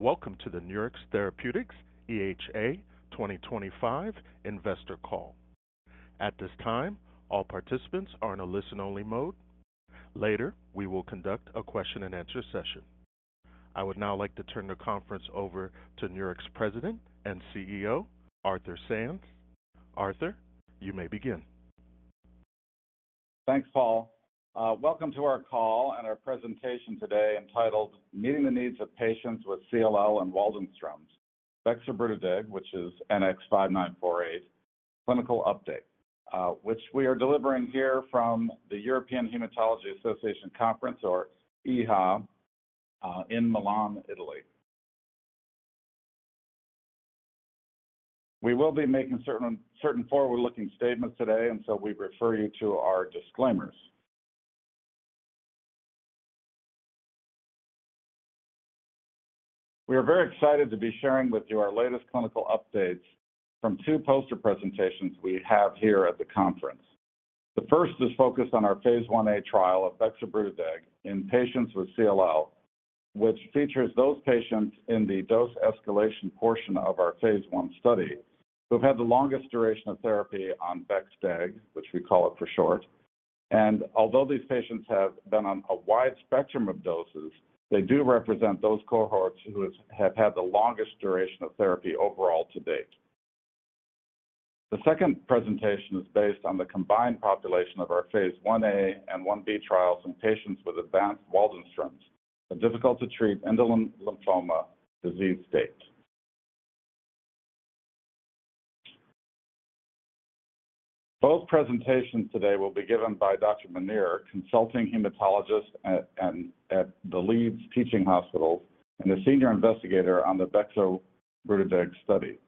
Welcome to the Nurix Therapeutics EHA 2025 Investor Call. At this time, all participants are in a listen-only mode. Later, we will conduct a question-and-answer session. I would now like to turn the conference over to Nurix President and CEO, Arthur Sands. Arthur, you may begin. Thanks, Paul. Welcome to our call and our presentation today entitled, "Meeting the Needs of Patients with CLL and Waldenström's, Bexobrutideg which is NX-5948, clinical update," which we are delivering here from the European Hematology Association Conference, or EHA, in Milan, Italy. We will be making certain forward-looking statements today, and so we refer you to our disclaimers. We are very excited to be sharing with you our latest clinical updates from two poster presentations we have here at the conference. The first is focused on our phase I-A trial of Bexobrutideg in patients with CLL, which features those patients in the dose escalation portion of our phase I study who have had the longest duration of therapy on bexdeg, which we call it for short. Although these patients have been on a wide spectrum of doses, they do represent those cohorts who have had the longest duration of therapy overall to date. The second presentation is based on the combined population of our phase I-A and Ib trials in patients with advanced Waldenström's and difficult-to-treat indolent lymphoma disease state. Both presentations today will be given by Dr. Munir, consulting haematologist at The Leeds Teaching Hospitals and a senior investigator on the Bexobrutideg study.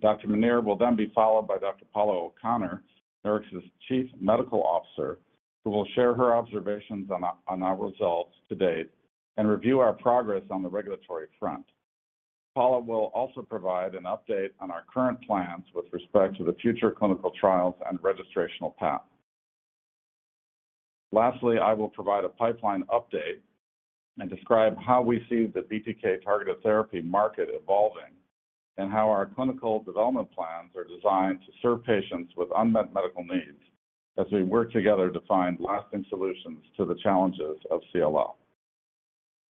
Dr. Munir will then be followed by Dr. Paula O'Connor, Nurix's Chief Medical Officer, who will share her observations on our results to date and review our progress on the regulatory front. Paula will also provide an update on our current plans with respect to the future clinical trials and registrational path. Lastly, I will provide a pipeline update and describe how we see the BTK targeted therapy market evolving and how our clinical development plans are designed to serve patients with unmet medical needs as we work together to find lasting solutions to the challenges of CLL.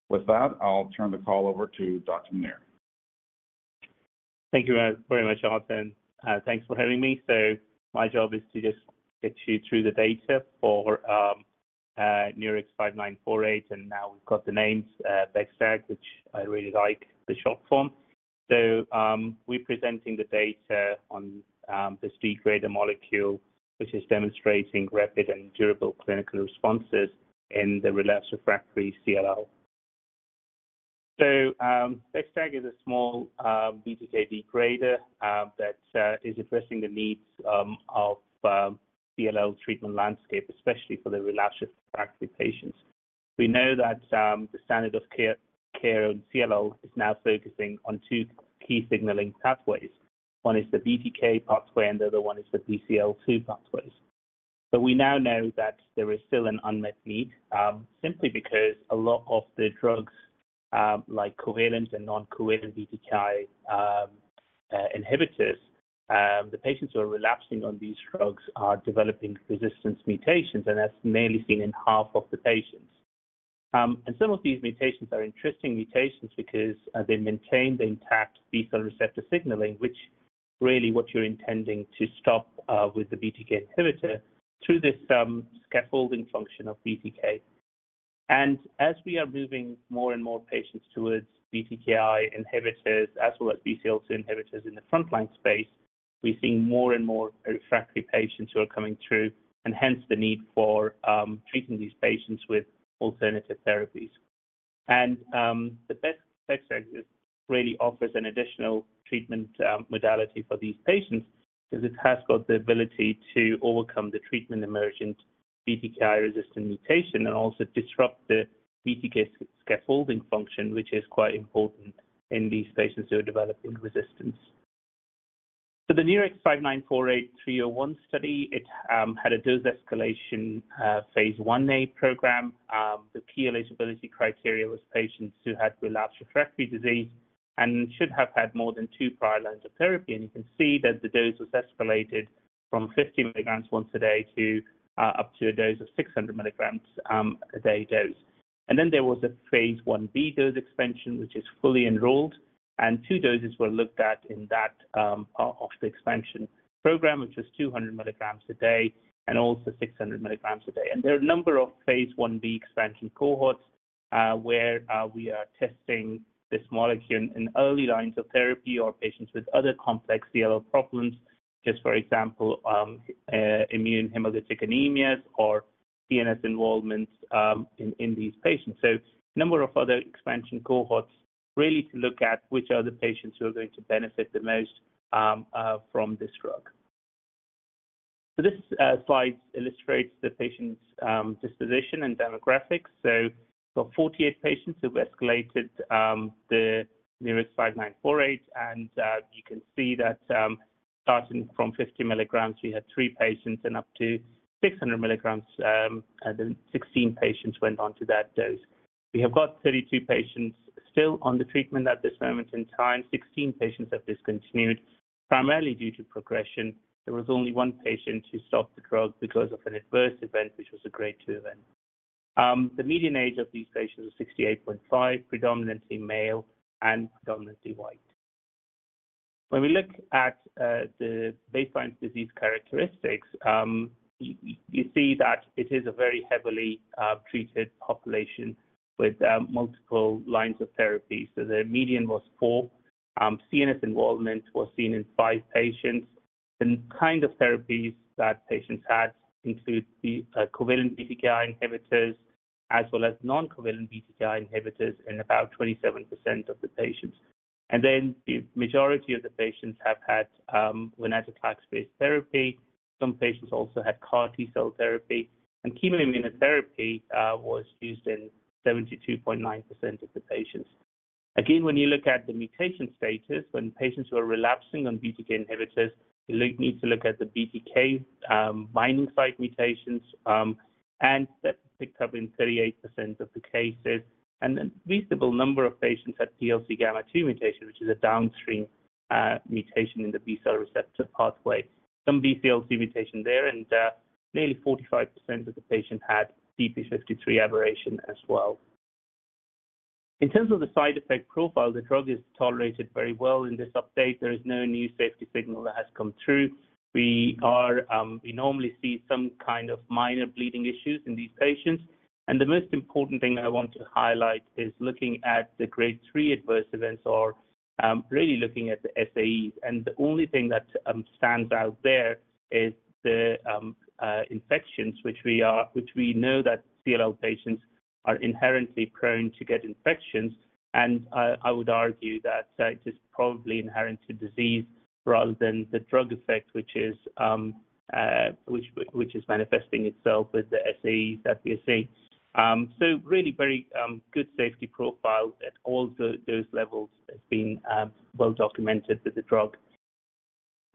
With that, I'll turn the call over to Dr. Munir. Thank you very much, Arthur. Thanks for having me. My job is to just get you through the data for Nurix 5948. Now we've got the names, bexdeg, which I really like, the short form. We're presenting the data on this degrader molecule, which is demonstrating rapid and durable clinical responses in the relapsed refractory CLL. Bexdeg is a small BTK degrader that is addressing the needs of the CLL treatment landscape, especially for the relapsed refractory patients. We know that the standard of care in CLL is now focusing on two key signaling pathways. One is the BTK pathway, and the other one is the BCL2 pathways. We now know that there is still an unmet need simply because a lot of the drugs, like covalent and non-covalent BTK inhibitors, the patients who are relapsing on these drugs are developing resistance mutations, and that's mainly seen in half of the patients. Some of these mutations are interesting mutations because they maintain the intact B-cell receptor signaling, which is really what you're intending to stop with the BTK inhibitor through this scaffolding function of BTK. As we are moving more and more patients towards BTK inhibitors as well as BCL2 inhibitors in the frontline space, we're seeing more and more refractory patients who are coming through, and hence the need for treating these patients with alternative therapies. The bexdeg really offers an additional treatment modality for these patients because it has got the ability to overcome the treatment-emergent BTKi resistant mutation and also disrupt the BTK scaffolding function, which is quite important in these patients who are developing resistance. For the Nurix 5948-301 study, it had a dose escalation phase I-A program. The key eligibility criteria was patients who had relapsed refractory disease and should have had more than two prior lines of therapy. You can see that the dose was escalated from 50 mg once a day to up to a dose of 600 mg a day dose. There was a phase I-B dose expansion, which is fully enrolled, and two doses were looked at in that expansion program, which was 200 mg a day and also 600 mg a day. There are a number phase I-B expansion cohorts where we are testing this molecule in early lines of therapy or patients with other complex CLL problems, just for example, immune hemolytic anemias or CNS involvement in these patients. A number of other expansion cohorts really to look at which are the patients who are going to benefit the most from this drug. This slide illustrates the patient's disposition and demographics. For 48 patients who have escalated the Nurix 5948, you can see that starting from 50 mg, we had three patients, and up to 600 mg, 16 patients went on to that dose. We have got 32 patients still on the treatment at this moment in time. 16 patients have discontinued primarily due to progression. There was only one patient who stopped the drug because of an adverse event, which was a grade 2 event. The median age of these patients is 68.5, predominantly male and predominantly white. When we look at the baseline disease characteristics, you see that it is a very heavily treated population with multiple lines of therapy. The median was four. CNS involvement was seen in five patients. The kind of therapies that patients had include covalent BTK inhibitors as well as non-covalent BTK inhibitors in about 27% of the patients. The majority of the patients have had venetoclax-based therapy. Some patients also had CAR T-cell therapy, and chemoimmunotherapy was used in 72.9% of the patients. Again, when you look at the mutation status, when patients who are relapsing on BTK inhibitors, you need to look at the BTK binding site mutations, and that's picked up in 38% of the cases. A reasonable number of patients had PLC gamma 2 mutation, which is a downstream mutation in the B-cell receptor pathway. Some BCL2 mutation there, and nearly 45% of the patients had TP53 aberration as well. In terms of the side effect profile, the drug is tolerated very well in this update. There is no new safety signal that has come through. We normally see some kind of minor bleeding issues in these patients. The most important thing I want to highlight is looking at the grade 3 adverse events or really looking at the SAEs. The only thing that stands out there is the infections, which we know that CLL patients are inherently prone to get infections. I would argue that it is probably inherent to disease rather than the drug effect, which is manifesting itself with the SAEs that we are seeing. Really very good safety profile at all those levels has been well documented with the drug.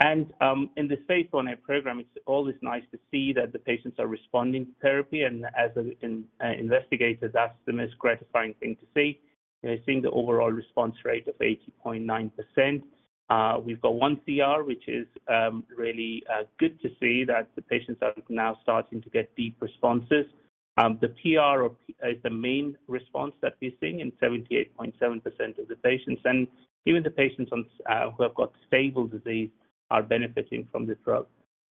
In this phase I-A program, it's always nice to see that the patients are responding to therapy. As an investigator, that's the most gratifying thing to see. We're seeing the overall response rate of 80.9%. We've got one CR, which is really good to see that the patients are now starting to get deep responses. The PR is the main response that we're seeing in 78.7% of the patients. Even the patients who have got stable disease are benefiting from the drug.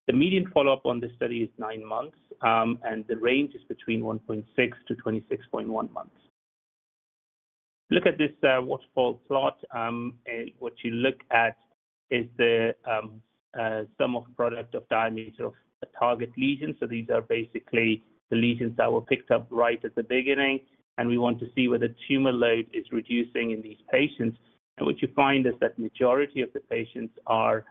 The median follow-up on this study is nine months, and the range is between 1.6 months-26.1 months. Look at this waterfall plot. What you look at is the sum of product of diameter of target lesions. These are basically the lesions that were picked up right at the beginning, and we want to see whether tumor load is reducing in these patients. What you find is that the majority of the patients are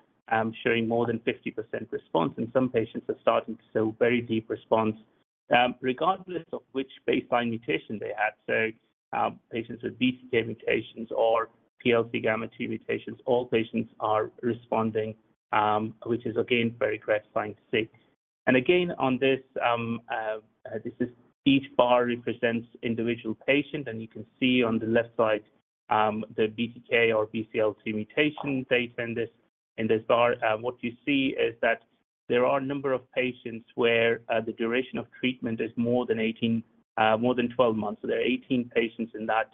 showing more than 50% response, and some patients are starting to show very deep response regardless of which baseline mutation they had. Patients with BTK mutations or PLC gamma 2 mutations, all patients are responding, which is again very gratifying to see. On this, each bar represents an individual patient, and you can see on the left side the BTK or BCL2 mutation data in this bar. What you see is that there are a number of patients where the duration of treatment is more than 18 months, more than 12 months. There are 18 patients in that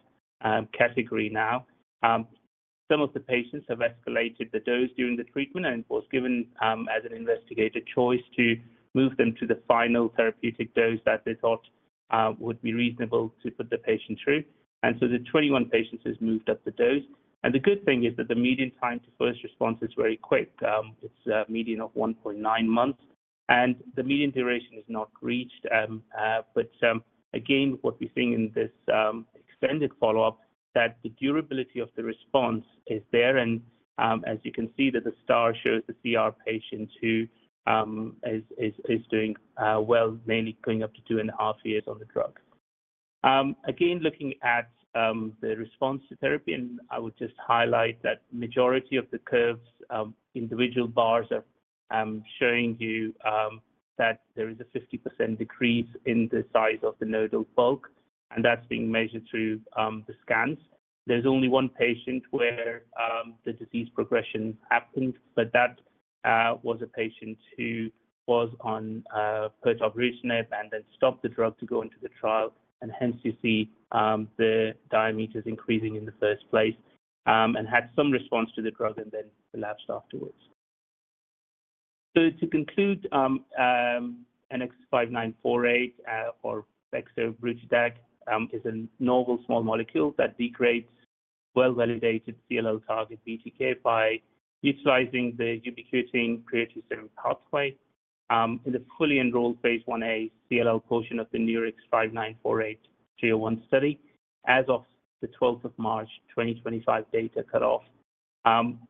category now. Some of the patients have escalated the dose during the treatment, and it was given as an investigator choice to move them to the final therapeutic dose that they thought would be reasonable to put the patient through. The 21 patients have moved up the dose. The good thing is that the median time to first response is very quick. It is a median of 1.9 months, and the median duration is not reached. What we are seeing in this extended follow-up is that the durability of the response is there. As you can see, the star shows the CR patient who is doing well, mainly going up to two and a half years on the drug. Again, looking at the response to therapy, I would just highlight that the majority of the curves, individual bars, are showing you that there is a 50% decrease in the size of the nodal bulk, and that's being measured through the scans. There's only one patient where the disease progression happened, but that was a patient who was on pirtobrutinib and then stopped the drug to go into the trial, and hence you see the diameters increasing in the first place and had some response to the drug and then relapsed afterwards. To conclude, NX-5948 or Bexobrutideg is a novel small molecule that degrades well-validated CLL target BTK by utilizing the ubiquitin proteasome pathway in the fully enrolled phase I-A CLL portion of the Nurix 5948-301 study as of the 12th of March, 2025 data cut off.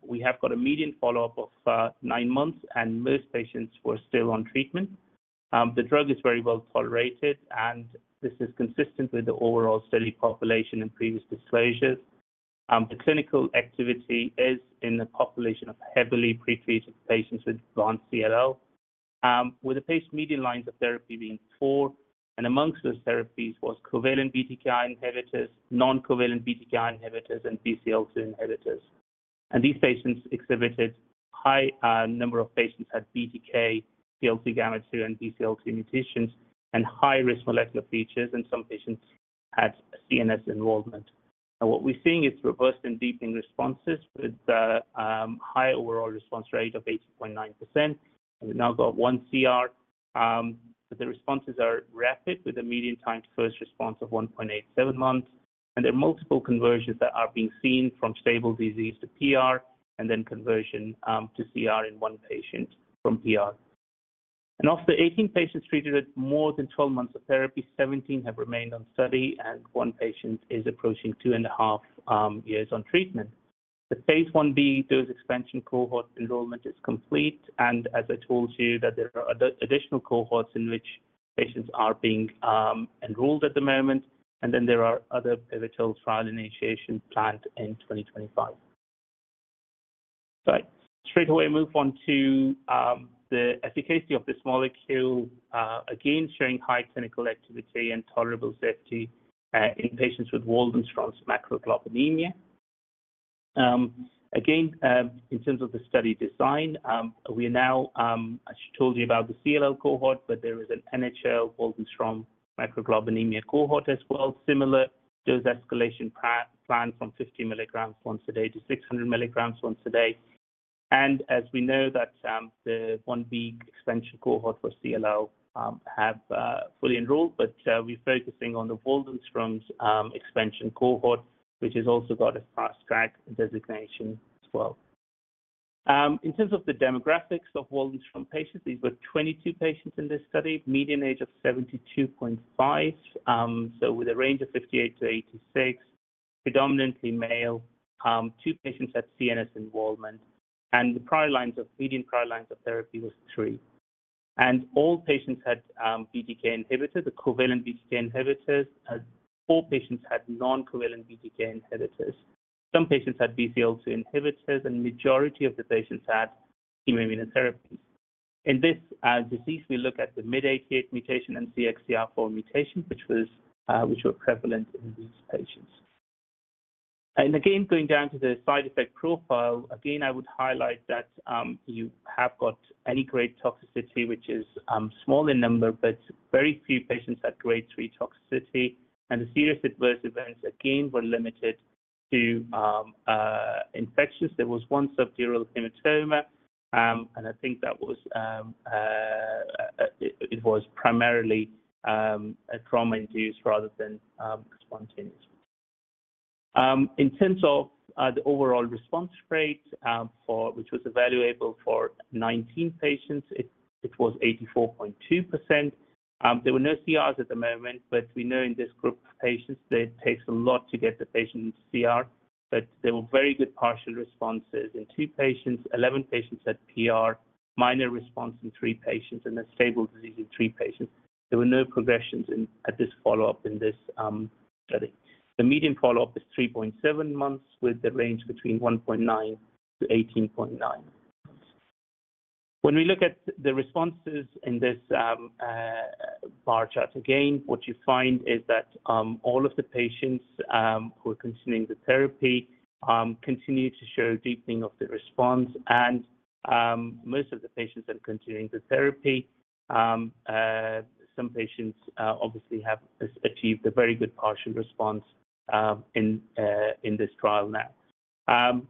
We have got a median follow-up of nine months, and most patients were still on treatment. The drug is very well tolerated, and this is consistent with the overall study population and previous disclosures. The clinical activity is in a population of heavily pretreated patients with advanced CLL, with the patient median lines of therapy being four. Amongst those therapies was covalent BTK inhibitors, non-covalent BTK inhibitors, and BCL2 inhibitors. These patients exhibited a high number of patients had BTK, PLC gamma 2, and BCL2 mutations and high-risk molecular features, and some patients had CNS involvement. What we're seeing is reverse and deepening responses with a high overall response rate of 80.9%. We've now got one CR, but the responses are rapid with a median time to first response of 1.87 months. There are multiple conversions that are being seen from stable disease to PR and then conversion to CR in one patient from PR. Of the 18 patients treated at more than 12 months of therapy, 17 have remained on study, and one patient is approaching 2.5 years on treatment. The phase I-B dose expansion cohort enrollment is complete, and as I told you, there are additional cohorts in which patients are being enrolled at the moment. There are other pivotal trial initiations planned in 2025. Right. Straight away, move on to the efficacy of this molecule, again showing high clinical activity and tolerable safety in patients with Waldenström's macroglobulinemia. Again, in terms of the study design, we are now, I told you about the CLL cohort, but there is an NHL Waldenström's macroglobulinemia cohort as well, similar dose escalation planned from 50 mg once a day to 600 mg once a day. As we know, the one-week expansion cohort for CLL has fully enrolled, but we're focusing on the Waldenström's expansion cohort, which has also got a fast-track designation as well. In terms of the demographics of Waldenström's patients, these were 22 patients in this study, median age of 72.5, with a range of 58-86, predominantly male, two patients had CNS involvement, and the median prior lines of therapy was three. All patients had BTK inhibitors, the covalent BTK inhibitors. All patients had non-covalent BTK inhibitors. Some patients had BCL2 inhibitors, and the majority of the patients had chemoimmunotherapy. In this disease, we look at the MYD88 mutation and CXCR4 mutation, which were prevalent in these patients. Again, going down to the side effect profile, again, I would highlight that you have got any grade toxicity, which is small in number, but very few patients had grade 3 toxicity. The serious adverse events again were limited to infections. There was one subdural hematoma, and I think that was primarily trauma-induced rather than spontaneous. In terms of the overall response rate, which was evaluable for 19 patients, it was 84.2%. There were no CRs at the moment, but we know in this group of patients, it takes a lot to get the patient into CR. There were very good partial responses in two patients, 11 patients had PR, minor response in three patients, and a stable disease in three patients. There were no progressions at this follow-up in this study. The median follow-up is 3.7 months with the range between 1.9 months-18.9 months. When we look at the responses in this bar chart again, what you find is that all of the patients who are continuing the therapy continue to show deepening of the response, and most of the patients have continued the therapy. Some patients obviously have achieved a very good partial response in this trial now.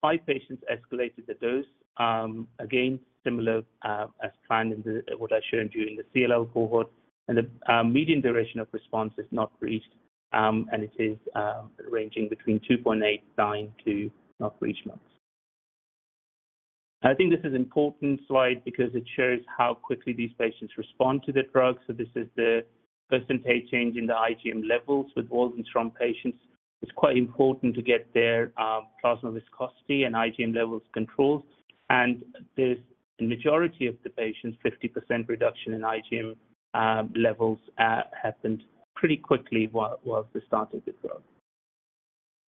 Five patients escalated the dose. Again, similar as planned in what I showed you in the CLL cohort. The median duration of response is not reached, and it is ranging between 2.89 to not reached months. I think this is an important slide because it shows how quickly these patients respond to the drug. This is the percentage change in the IgM levels with Waldenström's patients. It's quite important to get their plasma viscosity and IgM levels controlled. In the majority of the patients, 50% reduction in IgM levels happened pretty quickly while they started the drug.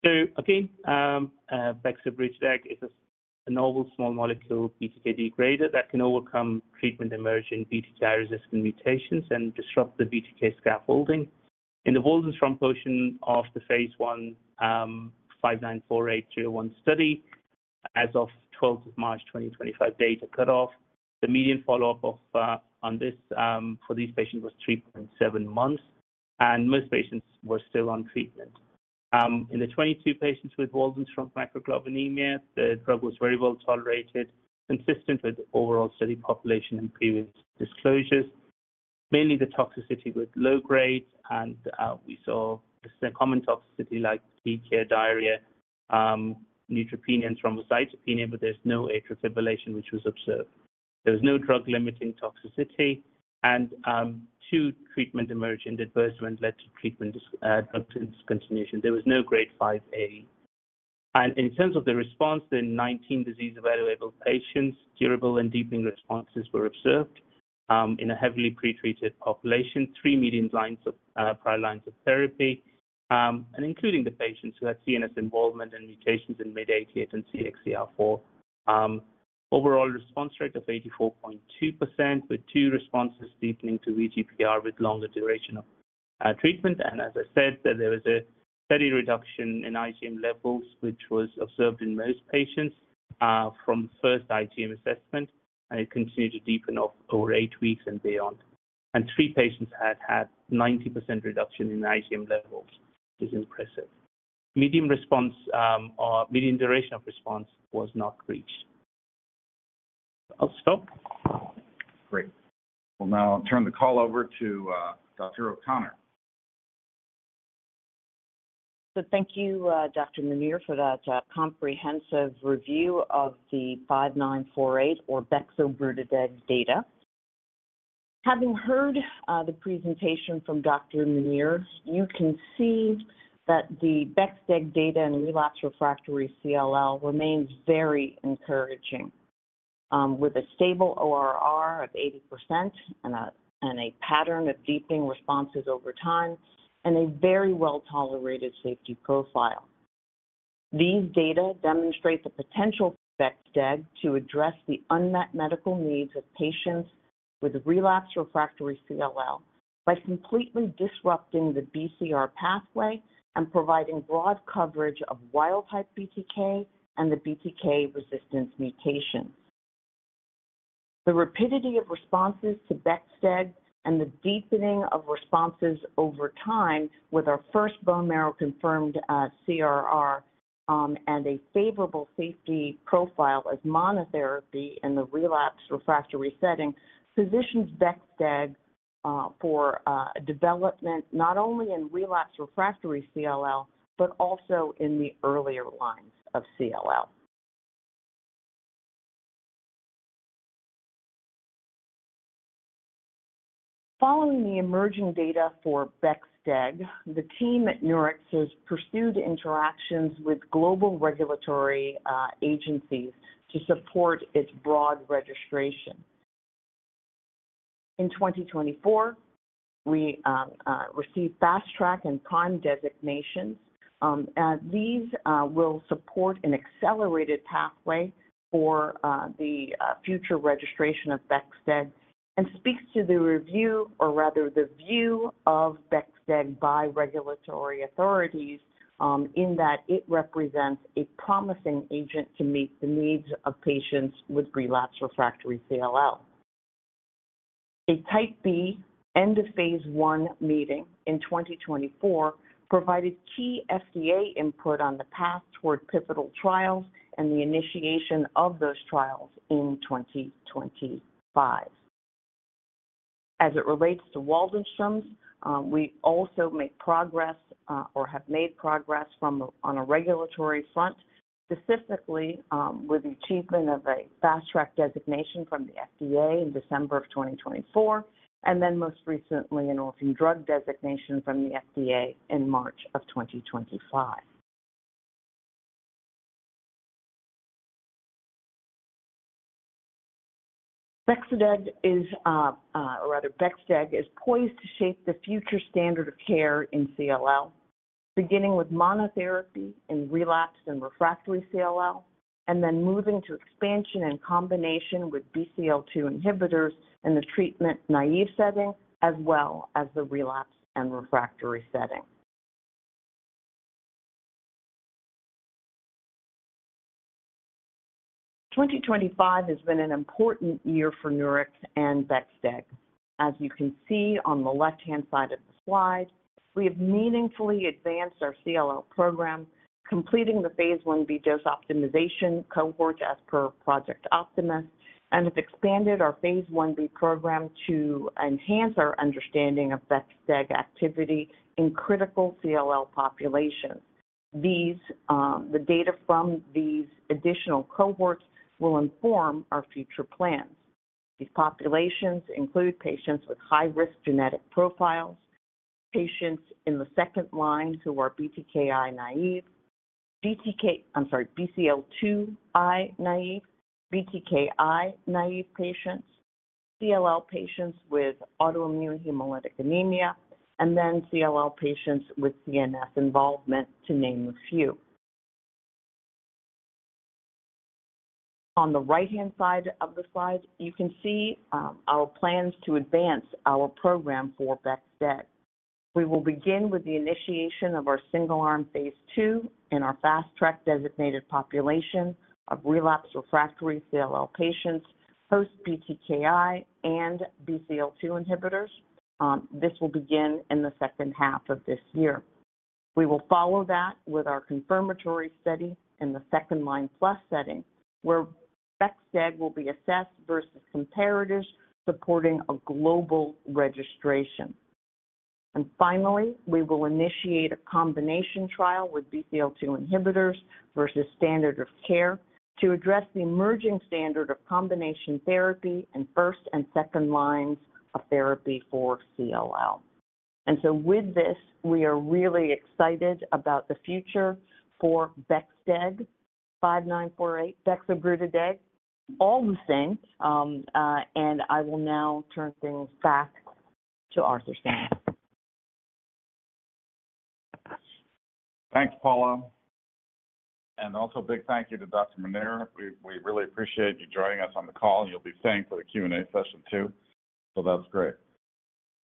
Bexobrutideg is a novel small molecule BTK degrader that can overcome treatment-emerging BTK-resistant mutations and disrupt the BTK scaffolding. In the Waldenström portion of the phase I 5948-301 study, as of 12th of March, 2025 data cut off, the median follow-up on this for these patients was 3.7 months, and most patients were still on treatment. In the 22 patients with Waldenström's macroglobulinemia, the drug was very well tolerated, consistent with overall study population and previous disclosures. Mainly the toxicity was low grade, and we saw this as a common toxicity like TK diarrhea, neutropenia, and thrombocytopenia, but there's no atrial fibrillation, which was observed. There was no drug-limiting toxicity, and two treatment-emerging adverse events led to treatment drug discontinuation. There was no grade 5A. In terms of the response, the 19 disease-evaluable patients, durable and deepening responses were observed in a heavily pretreated population, three median lines of prior lines of therapy, and including the patients who had CNS involvement and mutations in MYD88 and CXCR4. Overall response rate of 84.2% with two responses deepening to VGPR with longer duration of treatment. As I said, there was a steady reduction in IgM levels, which was observed in most patients from first IgM assessment, and it continued to deepen over eight weeks and beyond. Three patients had had 90% reduction in IgM levels, which is impressive. Median duration of response was not reached. I'll stop. Great. Now I'll turn the call over to Dr. O'Connor. Thank you, Dr. Munir, for that comprehensive review of the 5948 or Bexobrutideg data. Having heard the presentation from Dr. Munir, you can see that the bexdeg data in relapse refractory CLL remains very encouraging with a stable ORR of 80% and a pattern of deepening responses over time and a very well-tolerated safety profile. These data demonstrate the potential for bexdeg to address the unmet medical needs of patients with relapse refractory CLL by completely disrupting the BCR pathway and providing broad coverage of wild-type BTK and the BTK resistance mutations. The rapidity of responses to bexdeg and the deepening of responses over time with our first bone marrow-confirmed CR and a favorable safety profile as monotherapy in the relapse refractory setting positions bexdeg for development not only in relapse refractory CLL, but also in the earlier lines of CLL. Following the emerging data for bexdeg, the team at Nurix has pursued interactions with global regulatory agencies to support its broad registration. In 2024, we received fast-track and prime designations. These will support an accelerated pathway for the future registration of bexdeg and speaks to the review, or rather the view of bexdeg by regulatory authorities in that it represents a promising agent to meet the needs of patients with relapse refractory CLL. A type B end-of-phase I meeting in 2024 provided key FDA input on the path toward pivotal trials and the initiation of those trials in 2025. As it relates to Waldenström's, we also make progress or have made progress on a regulatory front, specifically with the achievement of a fast-track designation from the FDA in December of 2024, and then most recently an orphan drug designation from the FDA in March of 2025. Bexdeg is poised to shape the future standard of care in CLL, beginning with monotherapy in relapsed and refractory CLL, and then moving to expansion and combination with BCL2 inhibitors in the treatment naive setting as well as the relapsed and refractory setting. 2025 has been an important year for Nurix and bexdeg. As you can see on the left-hand side of the slide, we have meaningfully advanced our CLL program, completing the phase I-B dose optimization cohort as per Project Optimus, and have expanded our phase I-B program to enhance our understanding of bexdeg activity in critical CLL populations. The data from these additional cohorts will inform our future plans. These populations include patients with high-risk genetic profiles, patients in the second line who are BTKi naive, BCL2I naive, BTKi naive patients, CLL patients with autoimmune hemolytic anemia, and then CLL patients with CNS involvement, to name a few. On the right-hand side of the slide, you can see our plans to advance our program for bexdeg. We will begin with the initiation of our single-arm phase II in our fast-track designated population of relapsed refractory CLL patients post-BTK inhibitor and BCL2 inhibitors. This will begin in the second half of this year. We will follow that with our confirmatory study in the second-line plus setting, where bexdeg will be assessed versus comparators supporting a global registration. Finally, we will initiate a combination trial with BCL2 inhibitors versus standard of care to address the emerging standard of combination therapy in first and second lines of therapy for CLL. With this, we are really excited about the future for bexdeg, 5948, Bexobrutideg, all the same. I will now turn things back to Arthur Sands. Thanks, Paula. And also a big thank you to Dr. Munir. We really appreciate you joining us on the call, and you'll be thanked for the Q&A session too. That's great.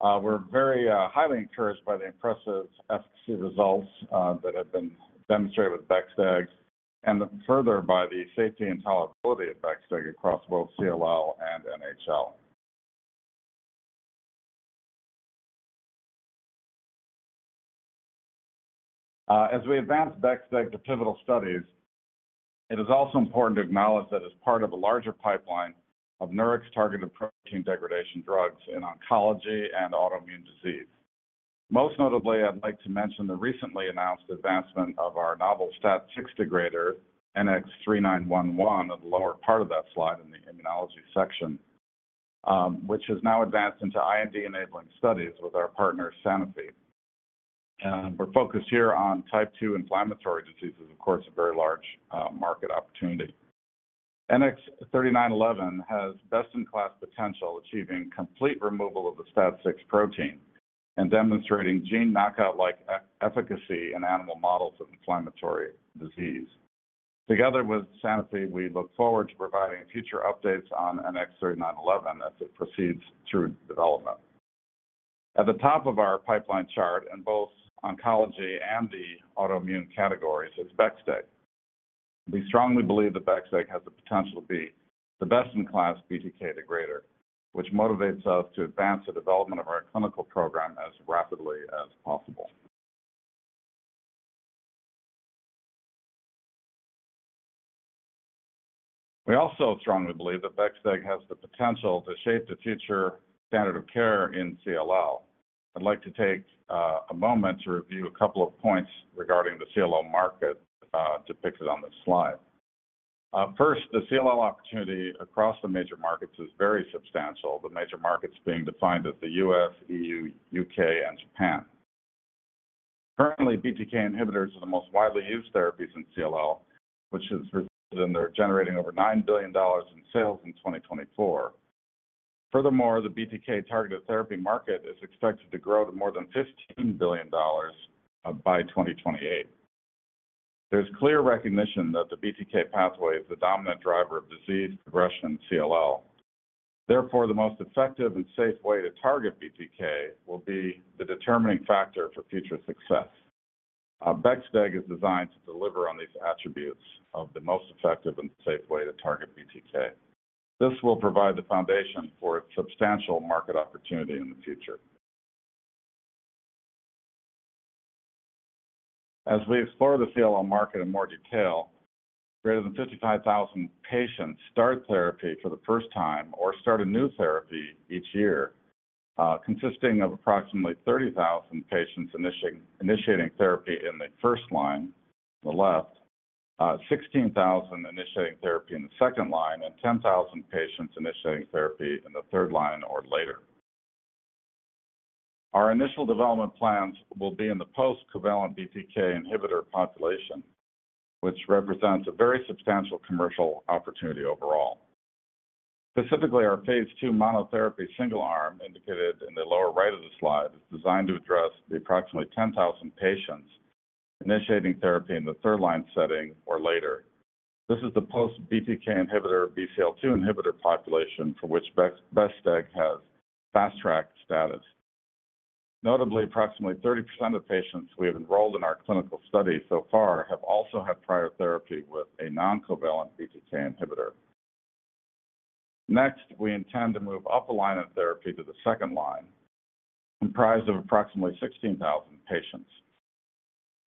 We're very highly encouraged by the impressive efficacy results that have been demonstrated with bexdeg, and further by the safety and tolerability of bexdeg across both CLL and NHL. As we advance bexdeg to pivotal studies, it is also important to acknowledge that it's part of a larger pipeline of Nurix-targeted protein degradation drugs in oncology and autoimmune disease. Most notably, I'd like to mention the recently announced advancement of our novel STAT6 degrader, NX-3911, in the lower part of that slide in the immunology section, which has now advanced into IND-enabling studies with our partner, Sanofi. We're focused here on type 2 inflammatory diseases, of course, a very large market opportunity. NX-3911 has best-in-class potential, achieving complete removal of the STAT6 protein and demonstrating gene knockout-like efficacy in animal models of inflammatory disease. Together with Sanofi, we look forward to providing future updates on NX-3911 as it proceeds through development. At the top of our pipeline chart, in both oncology and the autoimmune categories, is bexdeg. We strongly believe that bexdeg has the potential to be the best-in-class BTK degrader, which motivates us to advance the development of our clinical program as rapidly as possible. We also strongly believe that bexdeg has the potential to shape the future standard of care in CLL. I'd like to take a moment to review a couple of points regarding the CLL market depicted on this slide. First, the CLL opportunity across the major markets is very substantial, the major markets being defined as the U.S., EU, U.K., and Japan. Currently, BTK inhibitors are the most widely used therapies in CLL, which is presented in their generating over $9 billion in sales in 2024. Furthermore, the BTK targeted therapy market is expected to grow to more than $15 billion by 2028. There's clear recognition that the BTK pathway is the dominant driver of disease progression in CLL. Therefore, the most effective and safe way to target BTK will be the determining factor for future success. bexdeg is designed to deliver on these attributes of the most effective and safe way to target BTK. This will provide the foundation for its substantial market opportunity in the future. As we explore the CLL market in more detail, greater than 55,000 patients start therapy for the first time or start a new therapy each year, consisting of approximately 30,000 patients initiating therapy in the first line, the left, 16,000 initiating therapy in the second line, and 10,000 patients initiating therapy in the third line or later. Our initial development plans will be in the post-covalent BTK inhibitor population, which represents a very substantial commercial opportunity overall. Specifically, our phase II monotherapy single-arm, indicated in the lower right of the slide, is designed to address the approximately 10,000 patients initiating therapy in the third line setting or later. This is the post-BTK inhibitor, BCL2 inhibitor population for which bexdeg has fast-track status. Notably, approximately 30% of patients we have enrolled in our clinical study so far have also had prior therapy with a non-covalent BTK inhibitor. Next, we intend to move up a line of therapy to the second line, comprised of approximately 16,000 patients.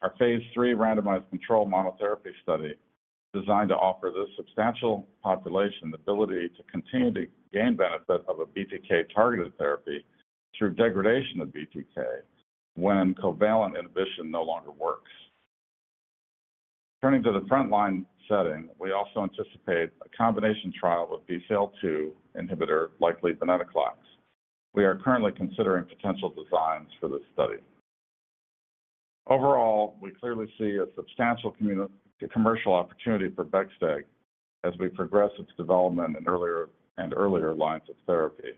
Our phase III randomized control monotherapy study is designed to offer this substantial population the ability to continue to gain benefit of a BTK targeted therapy through degradation of BTK when covalent inhibition no longer works. Turning to the front-line setting, we also anticipate a combination trial with BCL2 inhibitor, likely venetoclax. We are currently considering potential designs for this study. Overall, we clearly see a substantial commercial opportunity for bexdeg as we progress its development in earlier lines of therapy.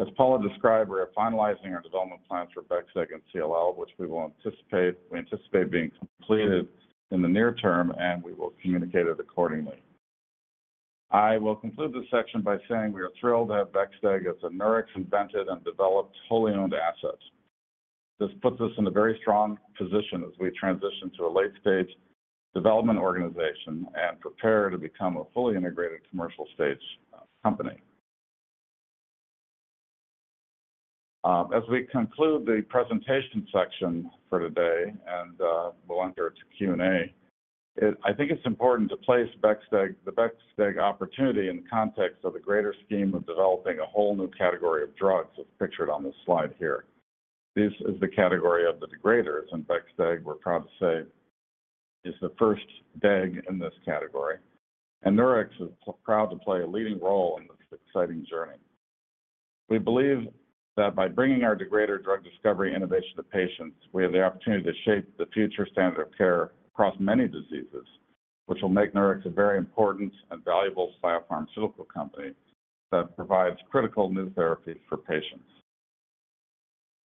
As Paula described, we are finalizing our development plans for bexdeg in CLL, which we anticipate being completed in the near term, and we will communicate it accordingly. I will conclude this section by saying we are thrilled to have bexdeg as a Nurix-invented and developed wholly owned asset. This puts us in a very strong position as we transition to a late-stage development organization and prepare to become a fully integrated commercial stage company. As we conclude the presentation section for today and will enter into Q&A, I think it's important to place the bexdeg opportunity in the context of the greater scheme of developing a whole new category of drugs as pictured on this slide here. This is the category of the degraders, and bexdeg, we're proud to say, is the first degrader in this category. Nurix is proud to play a leading role in this exciting journey. We believe that by bringing our degrader drug discovery innovation to patients, we have the opportunity to shape the future standard of care across many diseases, which will make Nurix a very important and valuable biopharmaceutical company that provides critical new therapies for patients.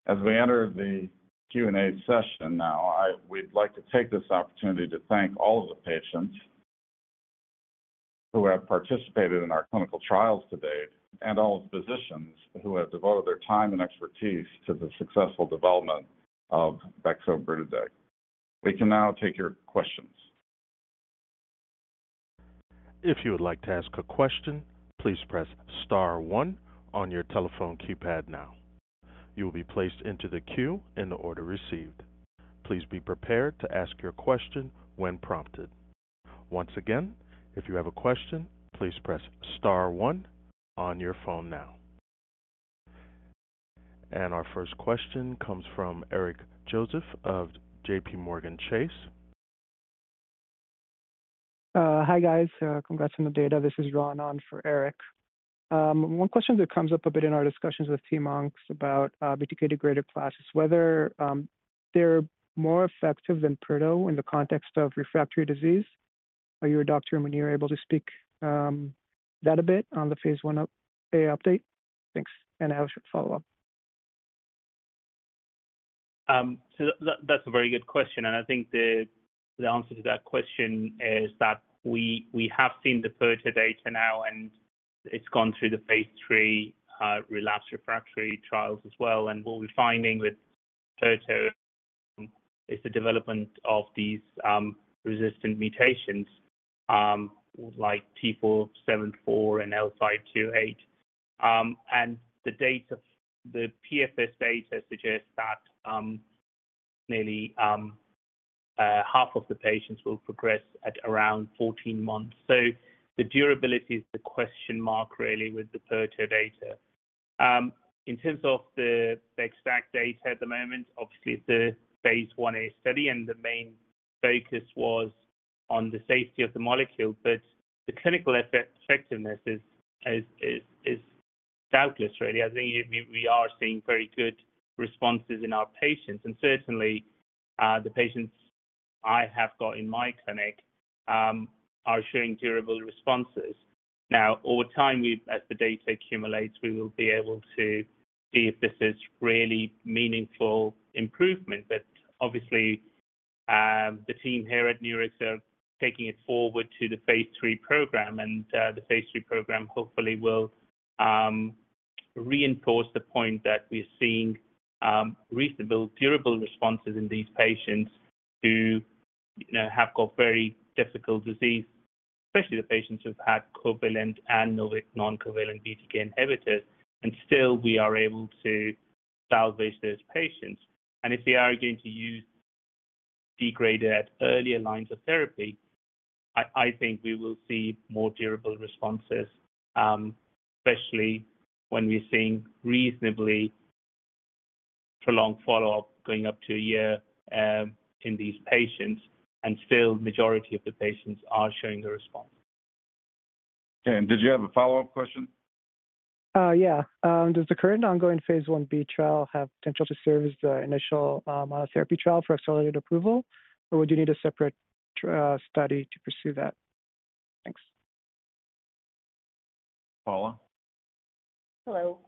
As we enter the Q&A session now, we'd like to take this opportunity to thank all of the patients who have participated in our clinical trials to date and all of the physicians who have devoted their time and expertise to the successful development of Bexobrutideg. We can now take your questions. If you would like to ask a question, please press star one on your telephone keypad now. You will be placed into the queue in the order received. Please be prepared to ask your question when prompted. Once again, if you have a question, please press star one on your phone now. Our first question comes from Eric Joseph of JPMorgan Chase. Hi guys, congrats on the data. This is Ruan An for Eric. One question that comes up a bit in our discussions with T-Monx about BTK degrader classes, whether they're more effective than pirto in the context of refractory disease. Are you or Dr. Munir able to speak to that a bit on the phase I-A update? Thanks. I'll follow up. That's a very good question. I think the answer to that question is that we have seen the pirto data now, and it's gone through the phase III relapsed refractory trials as well. What we're finding with pirto is the development of these resistant mutations, like T474 and L528. The PFS data suggests that nearly half of the patients will progress at around 14 months. The durability is the question mark, really, with the pirto data. In terms of the exact data at the moment, obviously, it's a phase I-A study, and the main focus was on the safety of the molecule. The clinical effectiveness is doubtless, really. I think we are seeing very good responses in our patients. Certainly, the patients I have got in my clinic are showing durable responses. Now, over time, as the data accumulates, we will be able to see if this is really meaningful improvement. Obviously, the team here at Nurix are taking it forward to the phase III program. The phase III program hopefully will reinforce the point that we're seeing reasonable, durable responses in these patients who have got very difficult disease, especially the patients who've had covalent and non-covalent BTK inhibitors. Still, we are able to salvage those patients. If we are going to use degrader at earlier lines of therapy, I think we will see more durable responses, especially when we're seeing reasonably prolonged follow-up going up to a year in these patients. Still, the majority of the patients are showing a response. Did you have a follow-up question? Yeah. Does the current ongoing phase I-B trial have potential to serve as the initial monotherapy trial for accelerated approval, or would you need a separate study to pursue that? Thanks. Paula? Hello.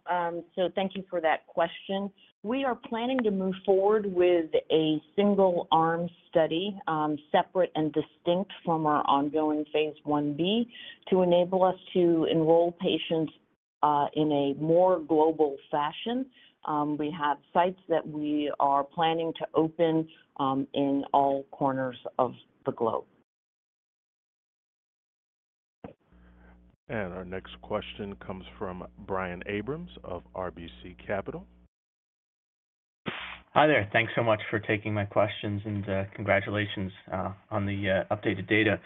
Thank you for that question. We are planning to move forward with a single-arm study, separate and distinct from our ongoing phase I-B, to enable us to enroll patients in a more global fashion. We have sites that we are planning to open in all corners of the globe. Our next question comes from Brian Abrahams of RBC Capital. Hi there. Thanks so much for taking my questions, and congratulations on the updated data.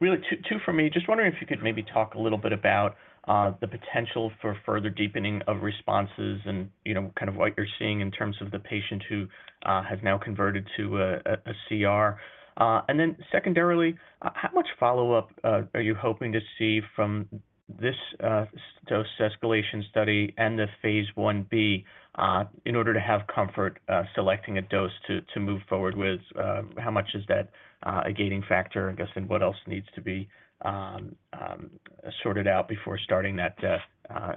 Really, two for me. Just wondering if you could maybe talk a little bit about the potential for further deepening of responses and kind of what you're seeing in terms of the patient who has now converted to a CR. Secondarily, how much follow-up are you hoping to see from this dose escalation study and the phase I-B in order to have comfort selecting a dose to move forward with? How much is that a gating factor, I guess, and what else needs to be sorted out before starting that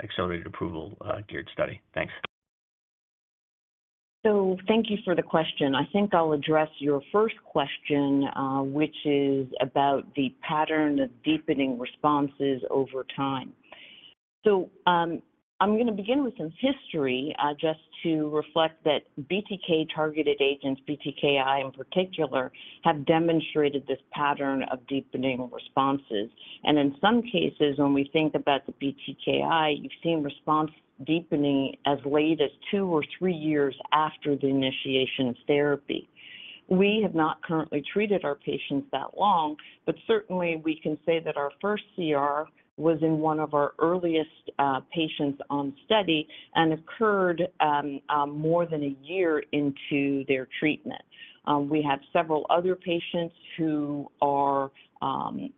accelerated approval-geared study? Thanks. Thank you for the question. I think I'll address your first question, which is about the pattern of deepening responses over time. I'm going to begin with some history just to reflect that BTK targeted agents, BTKi in particular, have demonstrated this pattern of deepening responses. In some cases, when we think about the BTKi, you've seen response deepening as late as two or three years after the initiation of therapy. We have not currently treated our patients that long, but certainly, we can say that our first CR was in one of our earliest patients on study and occurred more than a year into their treatment. We have several other patients who are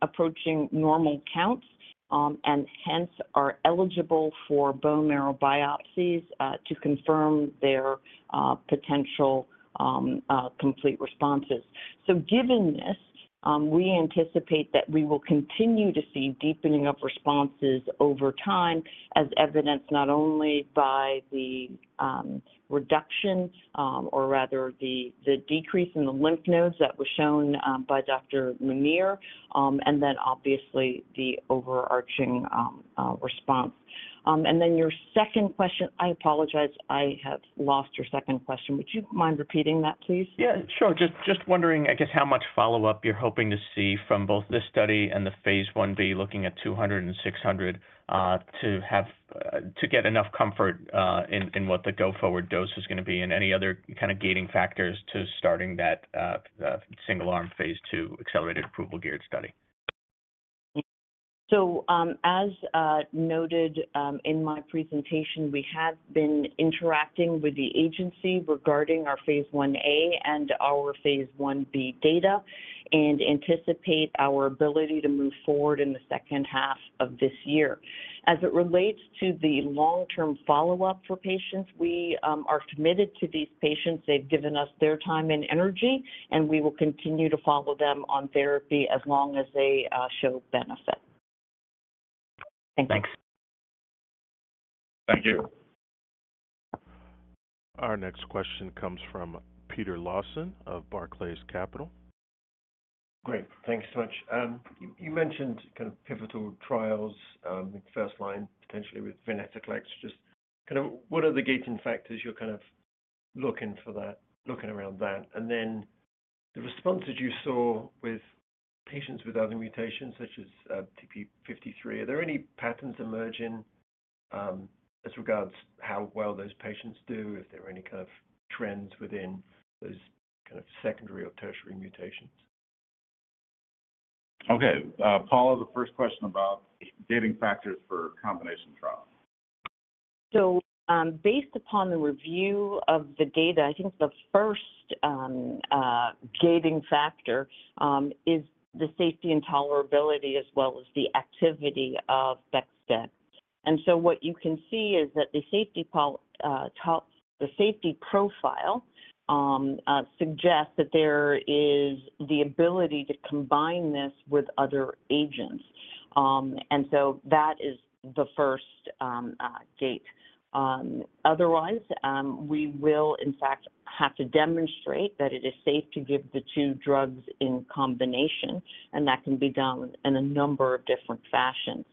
approaching normal counts and hence are eligible for bone marrow biopsies to confirm their potential complete responses. Given this, we anticipate that we will continue to see deepening of responses over time, as evidenced not only by the reduction, or rather the decrease in the lymph nodes that was shown by Dr. Munir, and obviously the overarching response. Your second question—I apologize, I have lost your second question. Would you mind repeating that, please? Yeah, sure. Just wondering, I guess, how much follow-up you're hoping to see from both this study and the phase I-B, looking at 200 and 600, to get enough comfort in what the go-forward dose is going to be and any other kind of gating factors to starting that single-arm phase II accelerated approval-geared study? As noted in my presentation, we have been interacting with the agency regarding our phase I-A and our phase I-B data and anticipate our ability to move forward in the second half of this year. As it relates to the long-term follow-up for patients, we are committed to these patients. They have given us their time and energy, and we will continue to follow them on therapy as long as they show benefit. Thanks. Thanks. Thank you. Our next question comes from Peter Lawson of Barclays Capital. Great. Thanks so much. You mentioned kind of pivotal trials in first line, potentially with venetoclax. Just kind of what are the gating factors you're kind of looking for that, looking around that? The responses you saw with patients with other mutations, such as TP53, are there any patterns emerging as regards how well those patients do, if there are any kind of trends within those kind of secondary or tertiary mutations? Okay. Paula, the first question about gating factors for combination trials. Based upon the review of the data, I think the first gating factor is the safety and tolerability as well as the activity of bexdeg. What you can see is that the safety profile suggests that there is the ability to combine this with other agents. That is the first gate. Otherwise, we will, in fact, have to demonstrate that it is safe to give the two drugs in combination, and that can be done in a number of different fashions.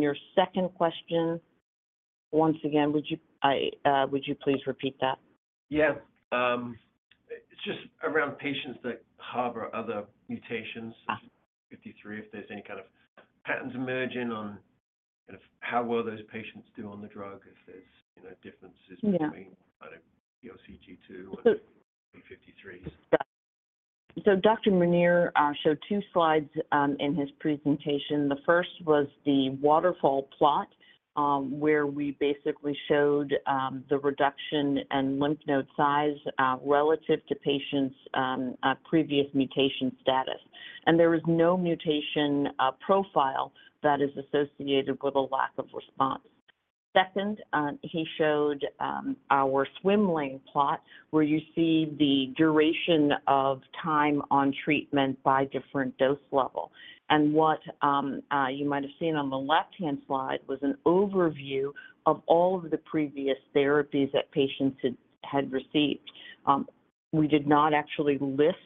Your second question, once again, would you please repeat that? Yeah. It's just around patients that harbor other mutations, TP53, if there's any kind of patterns emerging on kind of how well those patients do on the drug, if there's differences between either PLCG2 or TP53s. Dr. Munir showed two slides in his presentation. The first was the waterfall plot where we basically showed the reduction in lymph node size relative to patients' previous mutation status. There was no mutation profile that is associated with a lack of response. Second, he showed our swim lane plot where you see the duration of time on treatment by different dose level. What you might have seen on the left-hand slide was an overview of all of the previous therapies that patients had received. We did not actually list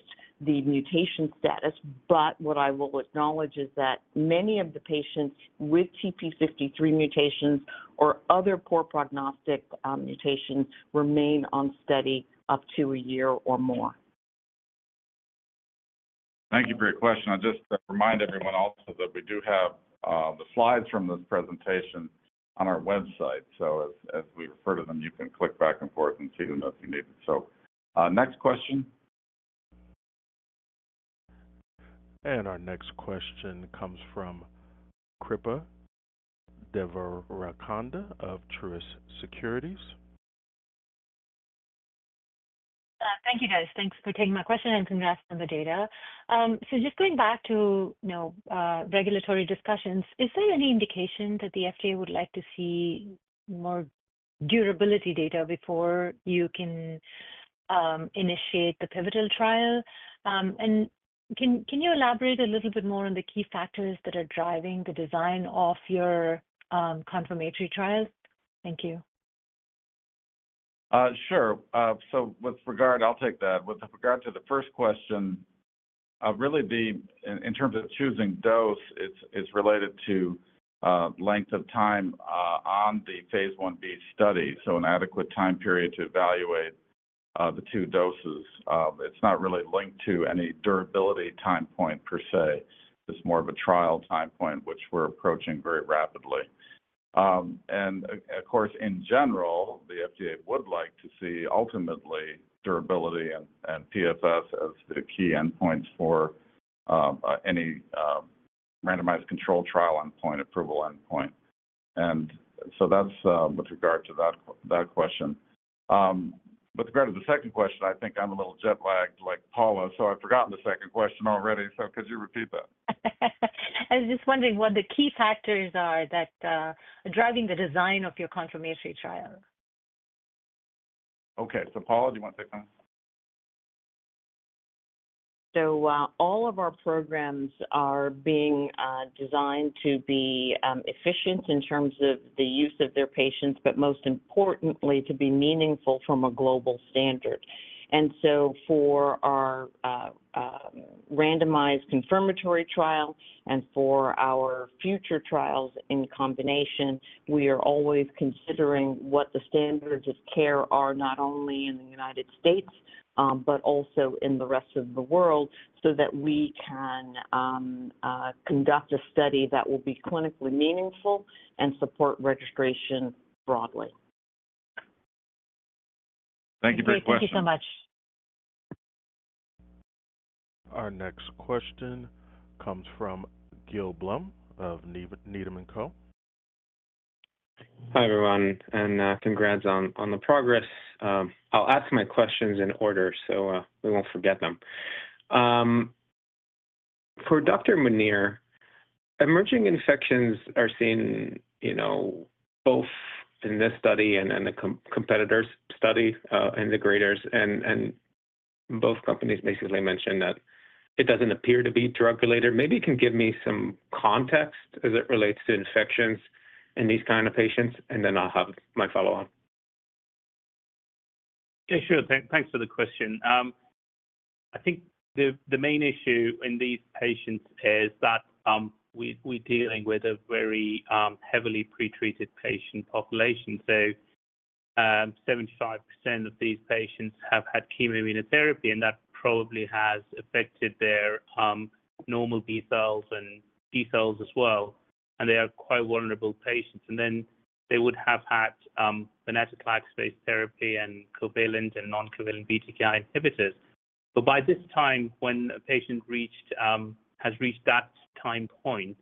the mutation status, but what I will acknowledge is that many of the patients with TP53 mutations or other poor prognostic mutations remain on study up to a year or more. Thank you for your question. I'll just remind everyone also that we do have the slides from this presentation on our website. As we refer to them, you can click back and forth and see them if you need them. Next question. Our next question comes from Kripa Devarakonda of Truist Securities. Thank you, guys. Thanks for taking my question and congrats on the data. Just going back to regulatory discussions, is there any indication that the FDA would like to see more durability data before you can initiate the pivotal trial? Can you elaborate a little bit more on the key factors that are driving the design of your confirmatory trials? Thank you. Sure. With regard to the first question, really, in terms of choosing dose, it's related to length of time on the phase I-B study, so an adequate time period to evaluate the two doses. It's not really linked to any durability time point per se. It's more of a trial time point, which we're approaching very rapidly. Of course, in general, the FDA would like to see ultimately durability and PFS as the key endpoints for any randomized control trial endpoint, approval endpoint. That's with regard to that question. With regard to the second question, I think I'm a little jet lagged like Paula, so I've forgotten the second question already. Could you repeat that? I was just wondering what the key factors are that are driving the design of your confirmatory trial. Okay. Paula, do you want to take that? All of our programs are being designed to be efficient in terms of the use of their patients, but most importantly, to be meaningful from a global standard. For our randomized confirmatory trial and for our future trials in combination, we are always considering what the standards of care are not only in the United States, but also in the rest of the world, so that we can conduct a study that will be clinically meaningful and support registration broadly. Thank you for your question. Thank you so much. Our next question comes from Gil Blum of Needham & Co. Hi, everyone. Congrats on the progress. I'll ask my questions in order so we won't forget them. For Dr. Munir, emerging infections are seen both in this study and in the competitor's study, in degraders, and both companies basically mentioned that it doesn't appear to be drug-related. Maybe you can give me some context as it relates to infections in these kind of patients, and then I'll have my follow-up. Yeah, sure. Thanks for the question. I think the main issue in these patients is that we're dealing with a very heavily pretreated patient population. So 75% of these patients have had chemoimmunotherapy, and that probably has affected their normal B-cells and T-cells as well. They are quite vulnerable patients. They would have had venetoclax-based therapy and covalent and non-covalent BTK inhibitor therapies. By this time, when a patient has reached that time point,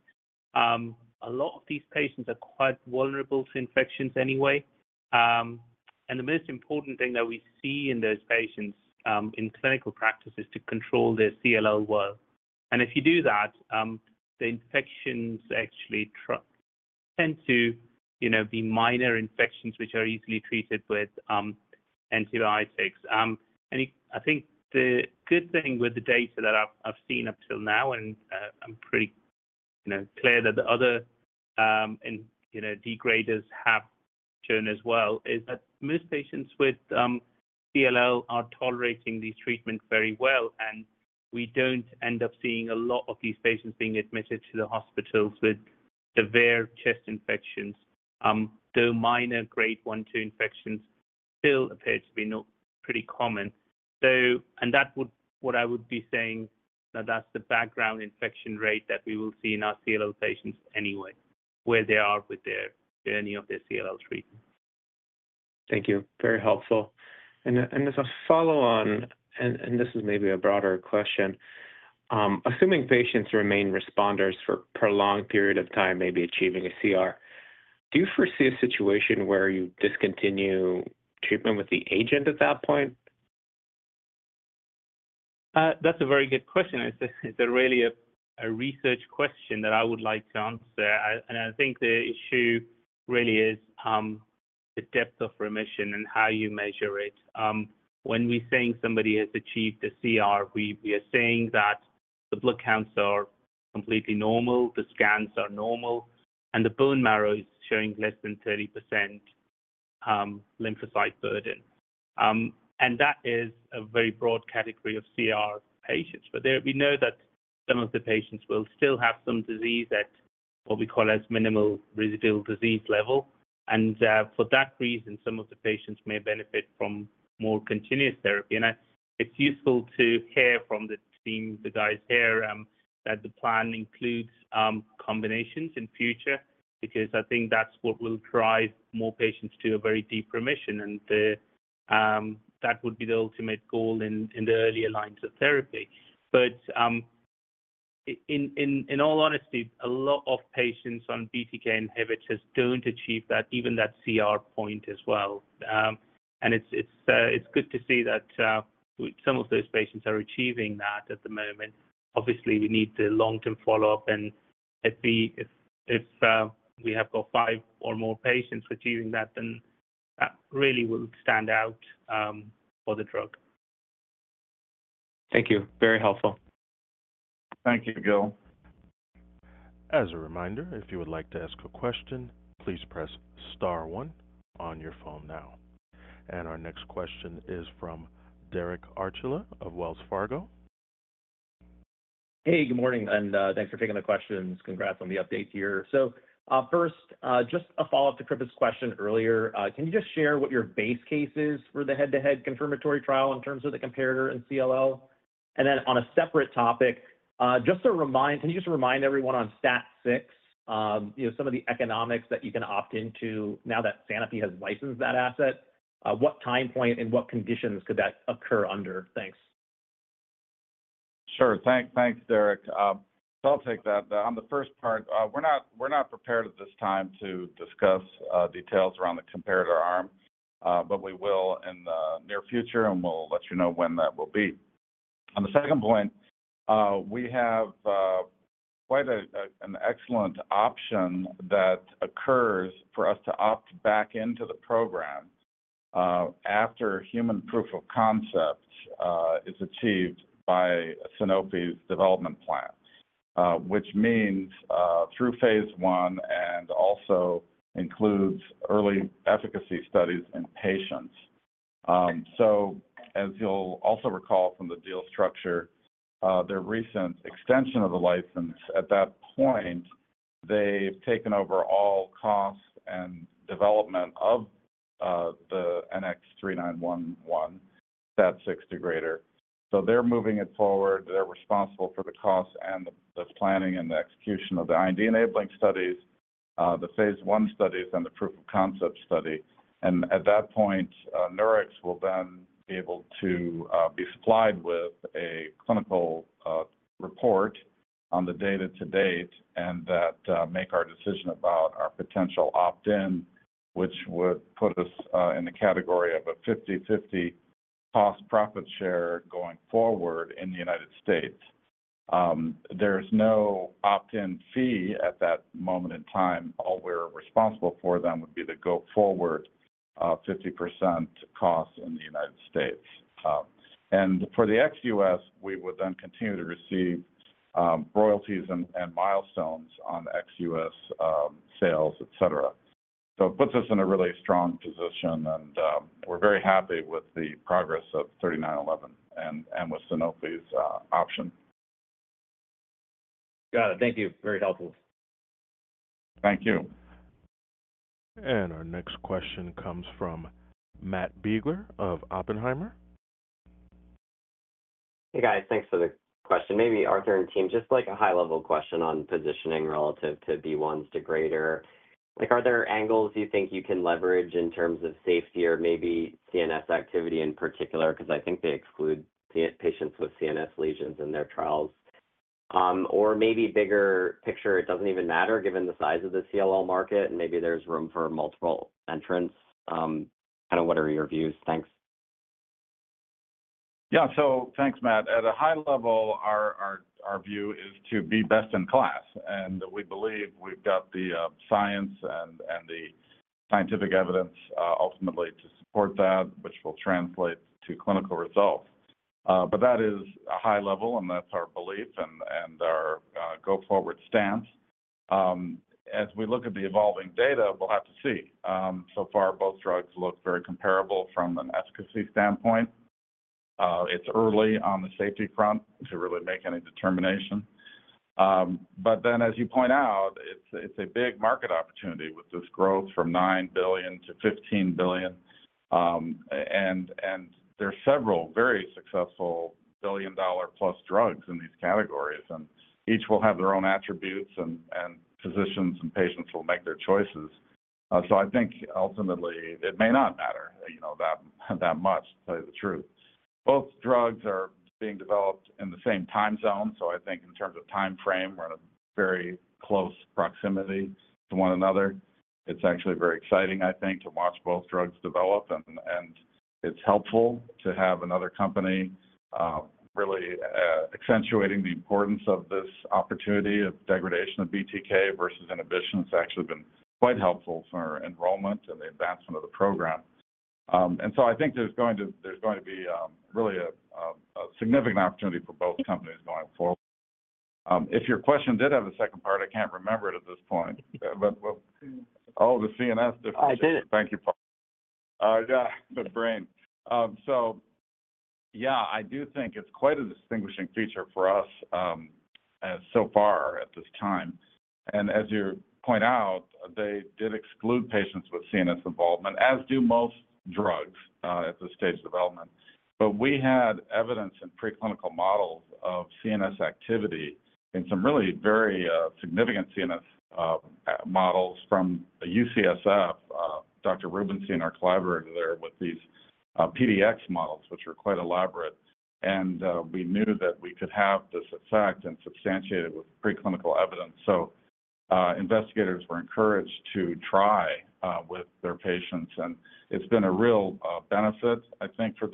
a lot of these patients are quite vulnerable to infections anyway. The most important thing that we see in those patients in clinical practice is to control their CLL well. If you do that, the infections actually tend to be minor infections, which are easily treated with antibiotics. I think the good thing with the data that I've seen up till now, and I'm pretty clear that the other degraders have shown as well, is that most patients with CLL are tolerating these treatments very well. We do not end up seeing a lot of these patients being admitted to the hospitals with severe chest infections. Though minor grade 1-2 infections still appear to be pretty common. That is what I would be saying, that is the background infection rate that we will see in our CLL patients anyway, where they are with their journey of their CLL treatment. Thank you. Very helpful. As a follow-on, and this is maybe a broader question, assuming patients remain responders for a prolonged period of time, maybe achieving a CR, do you foresee a situation where you discontinue treatment with the agent at that point? That's a very good question. It's really a research question that I would like to answer. I think the issue really is the depth of remission and how you measure it. When we're saying somebody has achieved a CR, we are saying that the blood counts are completely normal, the scans are normal, and the bone marrow is showing less than 30% lymphocyte burden. That is a very broad category of CR patients. We know that some of the patients will still have some disease at what we call as minimal residual disease level. For that reason, some of the patients may benefit from more continuous therapy. It's useful to hear from the team, the guys here, that the plan includes combinations in future because I think that's what will drive more patients to a very deep remission. That would be the ultimate goal in the earlier lines of therapy. In all honesty, a lot of patients on BTK inhibitors do not achieve even that CR point as well. It is good to see that some of those patients are achieving that at the moment. Obviously, we need the long-term follow-up. If we have got five or more patients achieving that, then that really will stand out for the drug. Thank you. Very helpful. Thank you, Gil. As a reminder, if you would like to ask a question, please press star one on your phone now. Our next question is from Derek Archila of Wells Fargo. Hey, good morning. Thanks for taking the questions. Congrats on the update here. First, just a follow-up to Kripa's question earlier. Can you just share what your base case is for the head-to-head confirmatory trial in terms of the comparator in CLL? On a separate topic, just to remind, can you just remind everyone on STAT6 some of the economics that you can opt into now that Sanofi has licensed that asset? What time point and what conditions could that occur under? Thanks. Sure. Thanks, Derek. I'll take that. On the first part, we're not prepared at this time to discuss details around the comparator arm, but we will in the near future, and we'll let you know when that will be. On the second point, we have quite an excellent option that occurs for us to opt back into the program after human proof of concept is achieved by Sanofi's development plan, which means through phase I and also includes early efficacy studies in patients. As you'll also recall from the deal structure, their recent extension of the license, at that point, they've taken over all costs and development of the NX-3911 STAT6 degrader. They're moving it forward. They're responsible for the costs and the planning and the execution of the IND enabling studies, the phase I studies, and the proof of concept study. At that point, Nurix will then be able to be supplied with a clinical report on the data to date and that will make our decision about our potential opt-in, which would put us in the category of a 50/50 cost-profit share going forward in the U.S. There is no opt-in fee at that moment in time. All we're responsible for then would be the go-forward 50% cost in the U.S. For the ex-U.S., we would then continue to receive royalties and milestones on ex-U.S. sales, etc. It puts us in a really strong position, and we're very happy with the progress of 3911 and with Sanofi's option. Got it. Thank you. Very helpful. Thank you. Our next question comes from Matt Biegler of Oppenheimer. Hey, guys. Thanks for the question. Maybe Arthur and team, just a high-level question on positioning relative to BeOne's degrader. Are there angles you think you can leverage in terms of safety or maybe CNS activity in particular? Because I think they exclude patients with CNS lesions in their trials. Or maybe bigger picture, it doesn't even matter given the size of the CLL market, and maybe there's room for multiple entrants. Kind of what are your views? Thanks. Yeah. Thanks, Matt. At a high level, our view is to be best in class. We believe we've got the science and the scientific evidence ultimately to support that, which will translate to clinical results. That is a high level, and that's our belief and our go-forward stance. As we look at the evolving data, we'll have to see. So far, both drugs look very comparable from an efficacy standpoint. It's early on the safety front to really make any determination. As you point out, it's a big market opportunity with this growth from $9 billion to $15 billion. There are several very successful billion-dollar-plus drugs in these categories, and each will have their own attributes, and physicians and patients will make their choices. I think ultimately, it may not matter that much, to tell you the truth. Both drugs are being developed in the same time zone. I think in terms of time frame, we're in a very close proximity to one another. It's actually very exciting, I think, to watch both drugs develop. It's helpful to have another company really accentuating the importance of this opportunity of degradation of BTK versus inhibition. It's actually been quite helpful for enrollment and the advancement of the program. I think there's going to be really a significant opportunity for both companies going forward. If your question did have a second part, I can't remember it at this point. Oh, the CNS difference. I did. Thank you, Paula. Yeah, the brain. Yeah, I do think it's quite a distinguishing feature for us so far at this time. As you point out, they did exclude patients with CNS involvement, as do most drugs at this stage of development. We had evidence in preclinical models of CNS activity in some really very significant CNS models from UCSF. Dr. Rubenstein and our collaborator there with these PDX models, which are quite elaborate. We knew that we could have this effect and substantiate it with preclinical evidence. Investigators were encouraged to try with their patients. It's been a real benefit, I think, for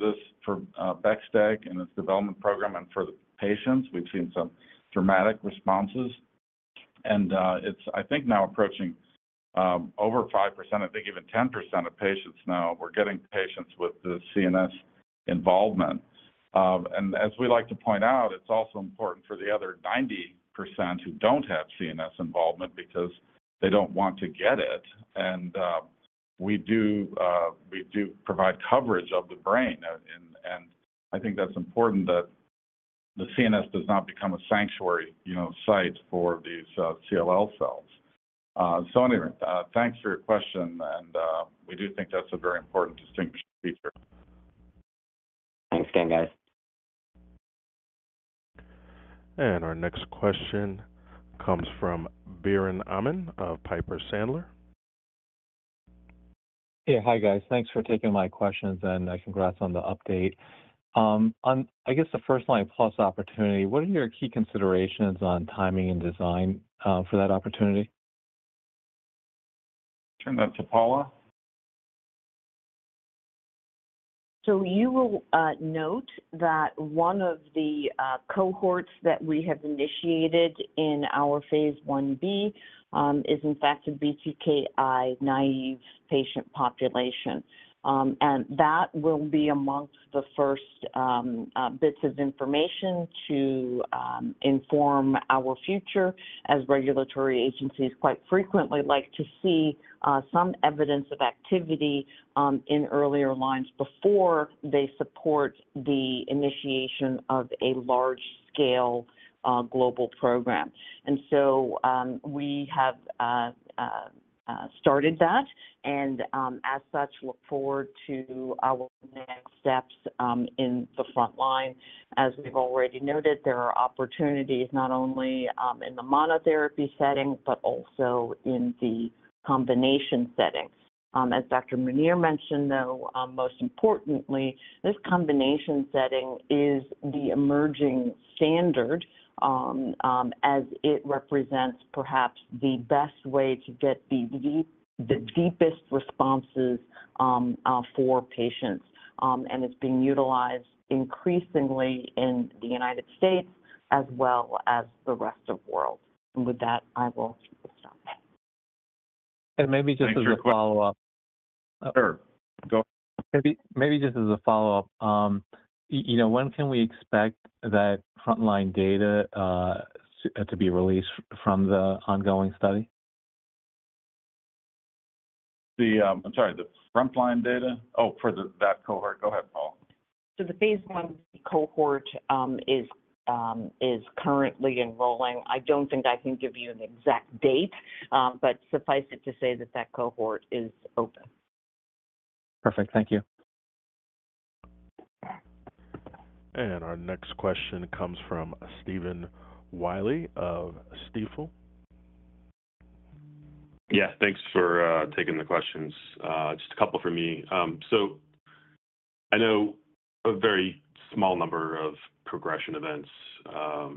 bexdeg and its development program and for the patients. We've seen some dramatic responses. It's, I think, now approaching over 5%. I think even 10% of patients now, we're getting patients with the CNS involvement. As we like to point out, it's also important for the other 90% who don't have CNS involvement because they don't want to get it. We do provide coverage of the brain. I think that's important, that the CNS does not become a sanctuary site for these CLL cells. Anyway, thanks for your question. We do think that's a very important distinguishing feature. Thanks again, guys. Our next question comes from Biren Amin of Piper Sandler. Hey, hi, guys. Thanks for taking my questions, and congrats on the update. I guess the first-line plus opportunity, what are your key considerations on timing and design for that opportunity? Turn that to Paula. You will note that one of the cohorts that we have initiated in our phase I-B is, in fact, a BTKi naive patient population. That will be amongst the first bits of information to inform our future as regulatory agencies quite frequently like to see some evidence of activity in earlier lines before they support the initiation of a large-scale global program. We have started that, and as such, look forward to our next steps in the front line. As we have already noted, there are opportunities not only in the monotherapy setting but also in the combination setting. As Dr. Munir mentioned, though, most importantly, this combination setting is the emerging standard as it represents perhaps the best way to get the deepest responses for patients. It is being utilized increasingly in the United States as well as the rest of the world. With that, I will stop. Maybe just as a follow-up. Sure. Go ahead. Maybe just as a follow-up, when can we expect that frontline data to be released from the ongoing study? I'm sorry, the frontline data? Oh, for that cohort. Go ahead, Paula. The phase I-B cohort is currently enrolling. I don't think I can give you an exact date, but suffice it to say that that cohort is open. Perfect. Thank you. Our next question comes from Steven Wiley of Stifel. Yeah. Thanks for taking the questions. Just a couple for me. I know a very small number of progression events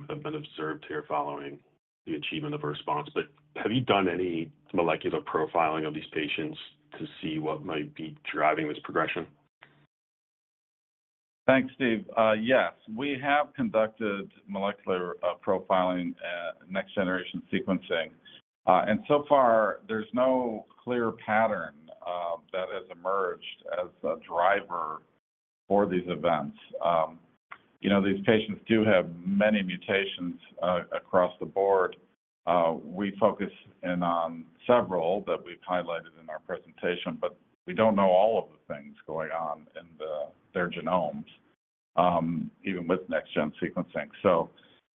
have been observed here following the achievement of a response. Have you done any molecular profiling of these patients to see what might be driving this progression? Thanks, Steve. Yes. We have conducted molecular profiling and next-generation sequencing. So far, there's no clear pattern that has emerged as a driver for these events. These patients do have many mutations across the board. We focus in on several that we've highlighted in our presentation, but we don't know all of the things going on in their genomes, even with next-generation sequencing.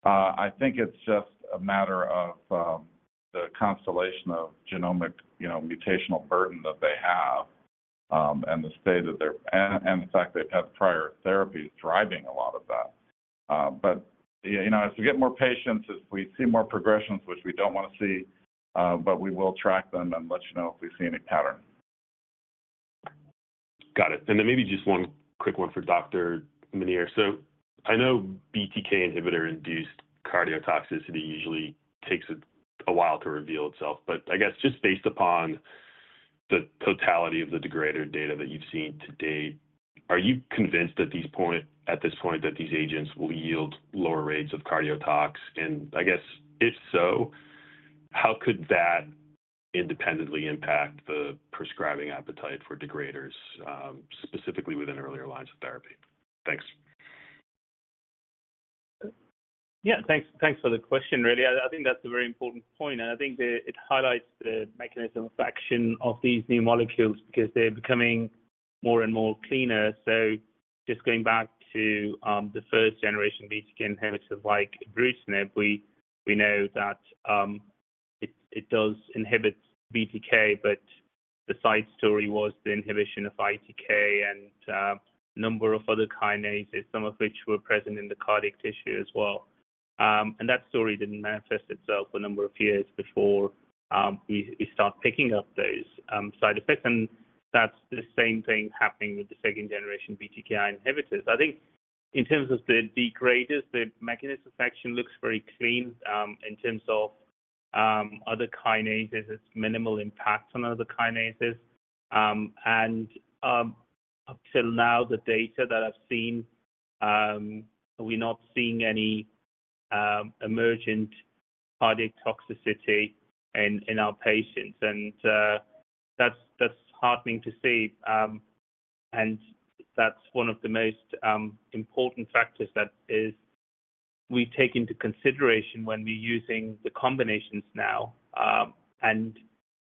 I think it's just a matter of the constellation of genomic mutational burden that they have and the state of their and the fact they've had prior therapies driving a lot of that. As we get more patients, as we see more progressions, which we don't want to see, we will track them and let you know if we see any pattern. Got it. Maybe just one quick one for Dr. Munir. I know BTK inhibitor-induced cardiotoxicity usually takes a while to reveal itself. I guess just based upon the totality of the degrader data that you've seen to date, are you convinced at this point that these agents will yield lower rates of cardiotox? If so, how could that independently impact the prescribing appetite for degraders, specifically within earlier lines of therapy? Thanks. Yeah. Thanks for the question, really. I think that's a very important point. I think it highlights the mechanism of action of these new molecules because they're becoming more and more cleaner. Just going back to the first-generation BTK inhibitors like ibrutinib, we know that it does inhibit BTK, but the side story was the inhibition of ITK and a number of other kinases, some of which were present in the cardiac tissue as well. That story did not manifest itself for a number of years before we started picking up those side effects. That's the same thing happening with the second-generation BTK inhibitors. I think in terms of the degraders, the mechanism of action looks very clean. In terms of other kinases, it's minimal impact on other kinases. Up till now, the data that I've seen, we're not seeing any emergent cardiac toxicity in our patients. That is heartening to see. That is one of the most important factors that we take into consideration when we are using the combinations now.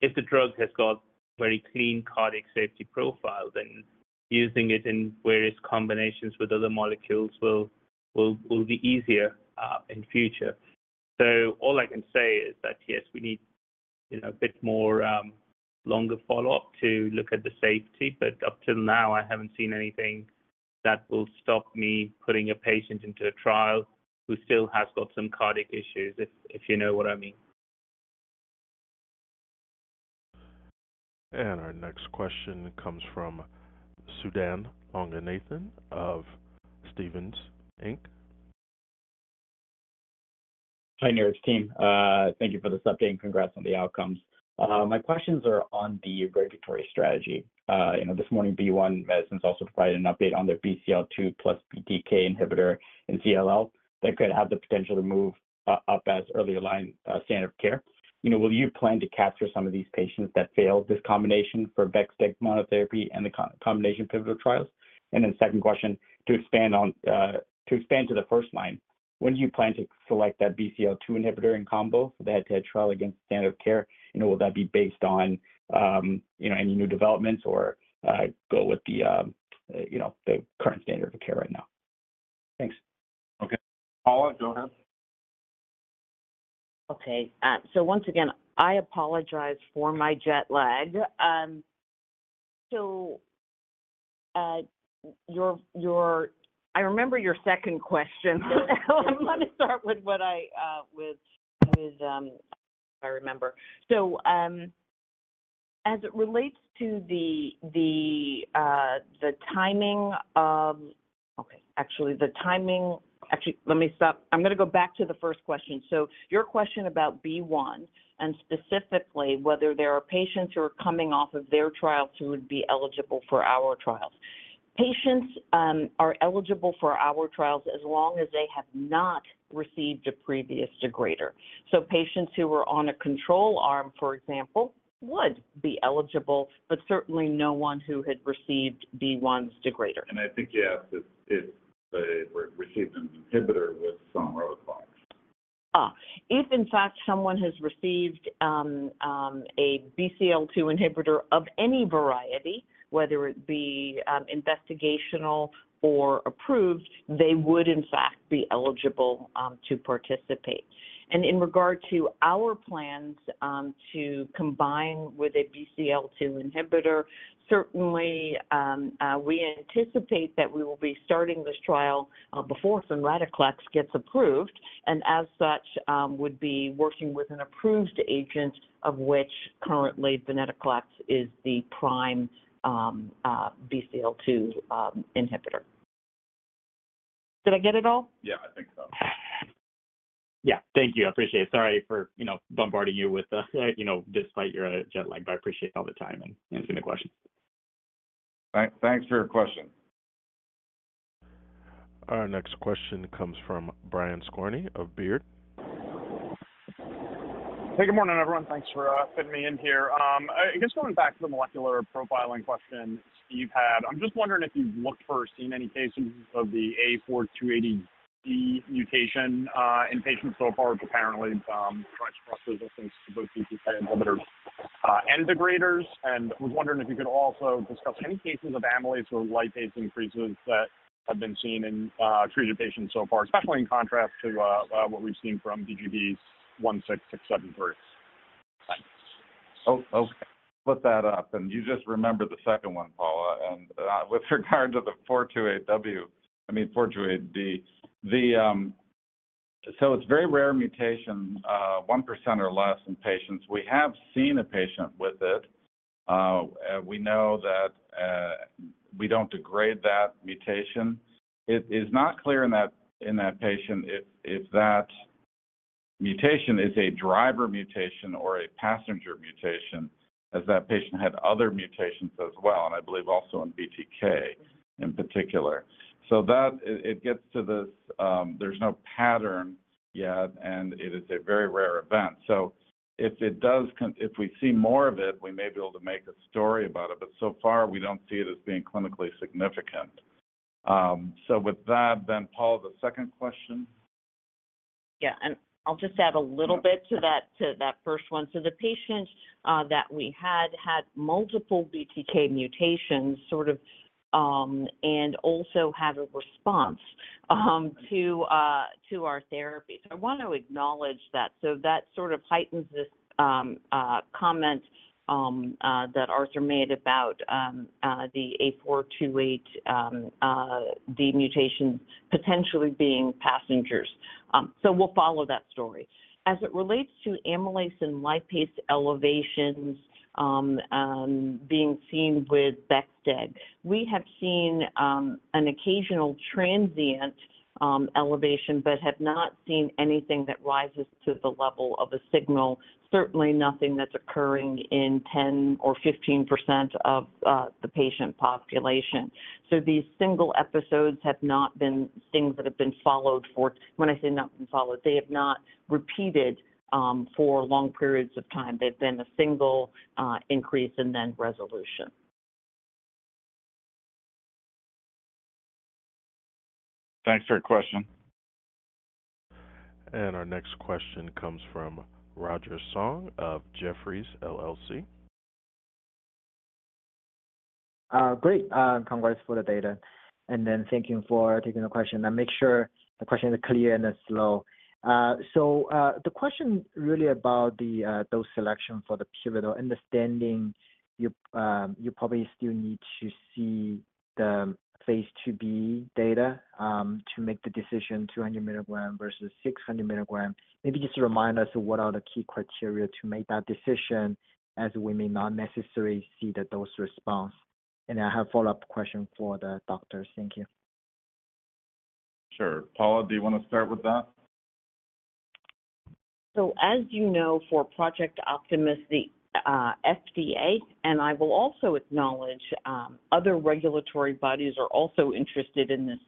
If the drug has got a very clean cardiac safety profile, then using it in various combinations with other molecules will be easier in future. All I can say is that, yes, we need a bit more longer follow-up to look at the safety. Up till now, I have not seen anything that will stop me putting a patient into a trial who still has got some cardiac issues, if you know what I mean. Our next question comes from Sudan Loganathan of Stephens Inc. Hi, Nurix team. Thank you for this update. Congrats on the outcomes. My questions are on the regulatory strategy. This morning, BeOne also provided an update on their BCL2 plus BTK inhibitor in CLL that could have the potential to move up as early line standard of care. Will you plan to capture some of these patients that fail this combination for bexdeg monotherapy and the combination pivotal trials? My second question, to expand to the first line, when do you plan to select that BCL2 inhibitor in combo for the head-to-head trial against standard of care? Will that be based on any new developments or go with the current standard of care right now? Thanks. Okay. Paula, go ahead. Okay. Once again, I apologize for my jet lag. I remember your second question. I want to start with what I remember. As it relates to the timing of—okay, actually, the timing—actually, let me stop. I'm going to go back to the first question. Your question about BeOne and specifically whether there are patients who are coming off of their trials who would be eligible for our trials. Patients are eligible for our trials as long as they have not received a previous degrader. Patients who were on a control arm, for example, would be eligible, but certainly no one who had received BeOne's degrader. I think you asked if they received an inhibitor with some roadblocks. If, in fact, someone has received a BCL2 inhibitor of any variety, whether it be investigational or approved, they would, in fact, be eligible to participate. In regard to our plans to combine with a BCL2 inhibitor, certainly, we anticipate that we will be starting this trial before venetoclax gets approved. As such, we would be working with an approved agent, of which currently venetoclax is the prime BCL2 inhibitor. Did I get it all? Yeah, I think so. Yeah. Thank you. I appreciate it. Sorry for bombarding you with this despite your jet lag, but I appreciate all the time and answering the questions. Thanks for your question. Our next question comes from Brian Skorney of Baird. Hey, good morning, everyone. Thanks for fitting me in here. I guess going back to the molecular profiling question you've had, I'm just wondering if you've looked for or seen any cases of the A428D mutation in patients so far who apparently try to express resistance to both BTK inhibitors and degraders. I was wondering if you could also discuss any cases of amylase or lipase increases that have been seen in treated patients so far, especially in contrast to what we've seen from BGB's 16673. Oh, okay. Put that up. And you just remembered the second one, Paula. And with regard to the 428W, I mean, 428D, so it's a very rare mutation, 1% or less in patients. We have seen a patient with it. We know that we don't degrade that mutation. It is not clear in that patient if that mutation is a driver mutation or a passenger mutation, as that patient had other mutations as well, and I believe also in BTK in particular. It gets to this, there's no pattern yet, and it is a very rare event. If we see more of it, we may be able to make a story about it. But so far, we don't see it as being clinically significant. With that, then, Paula, the second question? Yeah. I'll just add a little bit to that first one. The patient that we had had multiple BTK mutations and also had a response to our therapy. I want to acknowledge that. That heightens this comment that Arthur made about the A428D mutation potentially being passengers. We'll follow that story. As it relates to amylase and lipase elevations being seen with bexdeg, we have seen an occasional transient elevation but have not seen anything that rises to the level of a signal, certainly nothing that's occurring in 10% or 15% of the patient population. These single episodes have not been things that have been followed for, when I say not been followed, they have not repeated for long periods of time. They've been a single increase and then resolution. Thanks for your question. Our next question comes from Roger Song of Jefferies LLC. Great. Congrats for the data. Thank you for taking the question. I want to make sure the question is clear and slow. The question is really about dose selection for the pivotal, understanding you probably still need to see the phase II-B data to make the decision, 200 mg versus 600 mg. Maybe just remind us what are the key criteria to make that decision as we may not necessarily see the dose response. I have a follow-up question for the doctors. Thank you. Sure. Paula, do you want to start with that? As you know, for Project Optimus, the FDA, and I will also acknowledge other regulatory bodies are also interested in this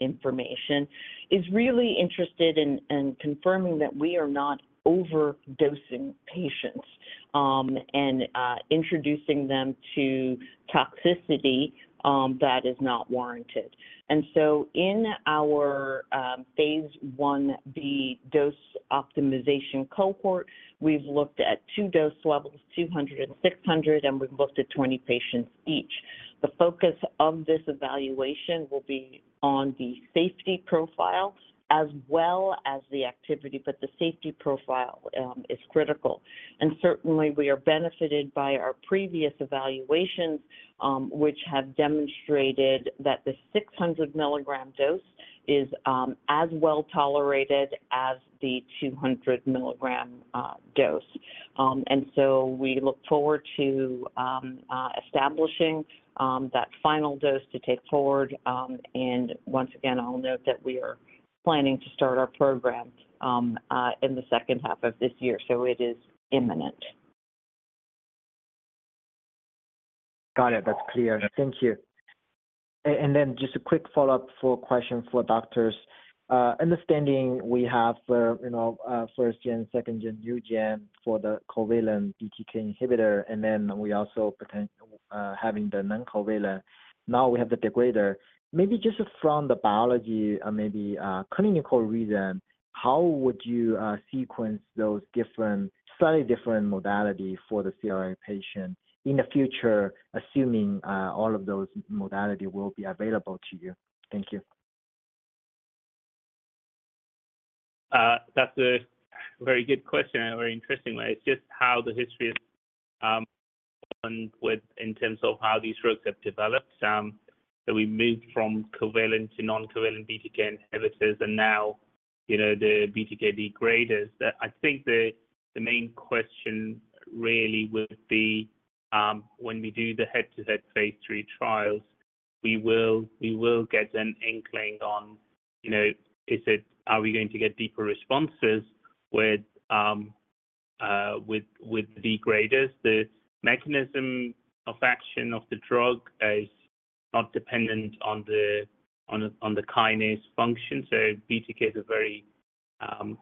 information, is really interested in confirming that we are not overdosing patients and introducing them to toxicity that is not warranted. In our phase I-B dose optimization cohort, we've looked at two dose levels, 200 and 600, and we've looked at 20 patients each. The focus of this evaluation will be on the safety profile as well as the activity, but the safety profile is critical. Certainly, we are benefited by our previous evaluations, which have demonstrated that the 600 mg dose is as well tolerated as the 200 mg dose. We look forward to establishing that final dose to take forward. Once again, I'll note that we are planning to start our program in the second half of this year. It is imminent. Got it. That's clear. Thank you. And then just a quick follow-up question for doctors. Understanding we have first-gen, second-gen, new gen for the covalent BTK inhibitor, and then we also having the non-covalent. Now we have the degrader. Maybe just from the biology, maybe clinical reason, how would you sequence those slightly different modalities for the CLL patient in the future, assuming all of those modalities will be available to you? Thank you. That's a very good question and a very interesting one. It's just how the history has gone in terms of how these drugs have developed. We moved from covalent to non-covalent BTK inhibitors, and now the BTK degraders. I think the main question really would be when we do the head-to-head phase III trials, we will get an inkling on, are we going to get deeper responses with the degraders? The mechanism of action of the drug is not dependent on the kinase function. BTK is a very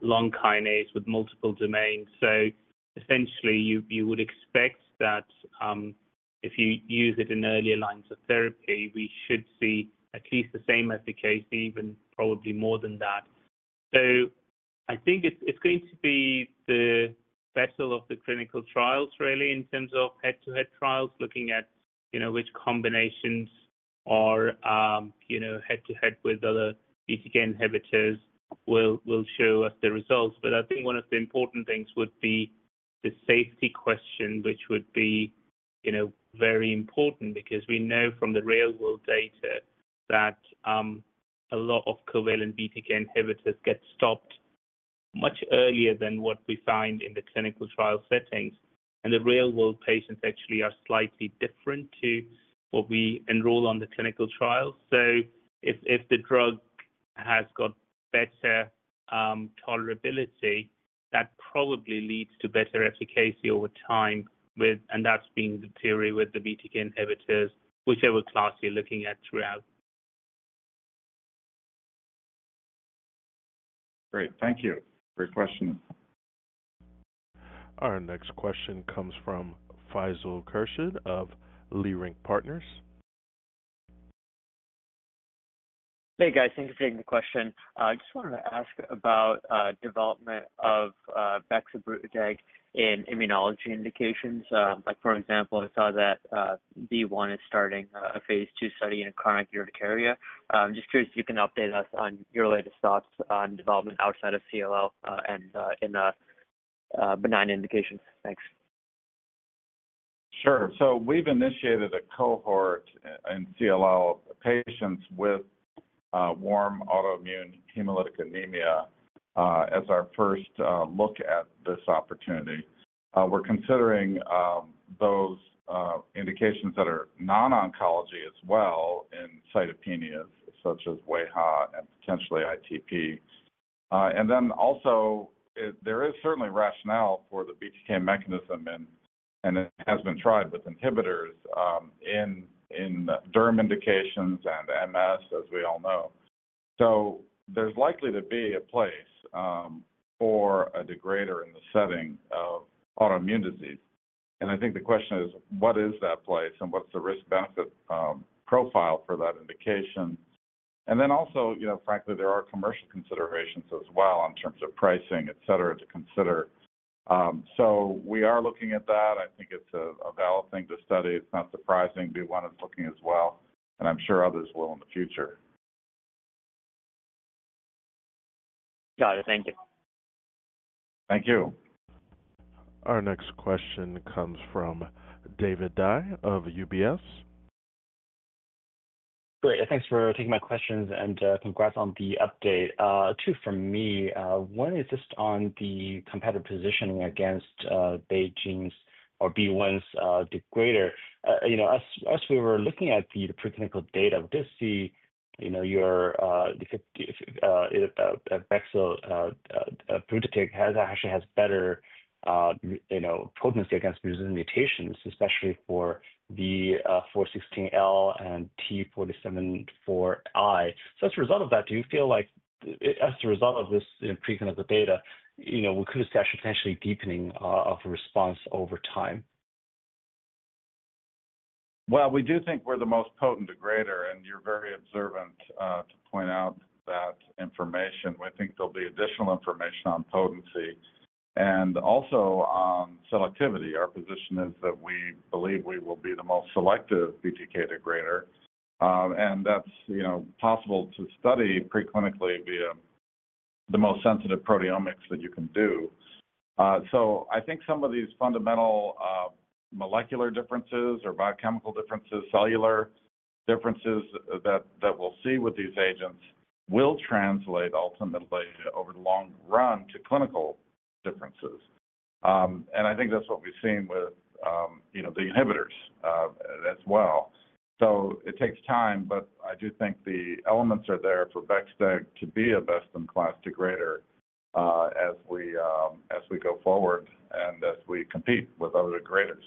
long kinase with multiple domains. Essentially, you would expect that if you use it in earlier lines of therapy, we should see at least the same efficacy, even probably more than that. I think it is going to be the vessel of the clinical trials, really, in terms of head-to-head trials, looking at which combinations are head-to-head with other BTK inhibitors will show us the results. I think one of the important things would be the safety question, which would be very important because we know from the real-world data that a lot of covalent BTK inhibitors get stopped much earlier than what we find in the clinical trial settings. The real-world patients actually are slightly different to what we enroll on the clinical trials. If the drug has got better tolerability, that probably leads to better efficacy over time, and that's been the theory with the BTK inhibitors, whichever class you're looking at throughout. Great. Thank you. Great question. Our next question comes from Faisal Khurshid of Leerink Partners. Hey, guys. Thank you for taking the question. I just wanted to ask about the development of Bexobrutideg in immunology indications. For example, I saw that BeOne is starting a phase II study in chronic urticaria. I'm just curious if you can update us on your latest thoughts on development outside of CLL and in benign indications. Thanks. Sure. We have initiated a cohort in CLL patients with warm autoimmune hemolytic anemia as our first look at this opportunity. We are considering those indications that are non-oncology as well in cytopenias such as WHA and potentially ITP. There is certainly rationale for the BTK mechanism, and it has been tried with inhibitors in derm indications and MS, as we all know. There is likely to be a place for a degrader in the setting of autoimmune disease. I think the question is, what is that place, and what is the risk-benefit profile for that indication? There are commercial considerations as well in terms of pricing, etc., to consider. We are looking at that. I think it is a valid thing to study. It is not surprising BeOne is looking as well, and I am sure others will in the future. Got it. Thank you. Thank you. Our next question comes from David Dai of UBS. Great. Thanks for taking my questions, and congrats on the update. Two from me. One is just on the competitive positioning against BeiGene's or BeOne's degrader. As we were looking at the preclinical data, we did see your Bexobrutideg actually has better potency against resistant mutations, especially for the 416L and T474I. As a result of that, do you feel like as a result of this preclinical data, we could discuss potentially deepening of the response over time? We do think we're the most potent degrader, and you're very observant to point out that information. We think there'll be additional information on potency and also on selectivity. Our position is that we believe we will be the most selective BTK degrader. That's possible to study preclinically via the most sensitive proteomics that you can do. I think some of these fundamental molecular differences or biochemical differences, cellular differences that we'll see with these agents will translate, ultimately, over the long run to clinical differences. I think that's what we've seen with the inhibitors as well. It takes time, but I do think the elements are there for bexdeg to be a best-in-class degrader as we go forward and as we compete with other degraders.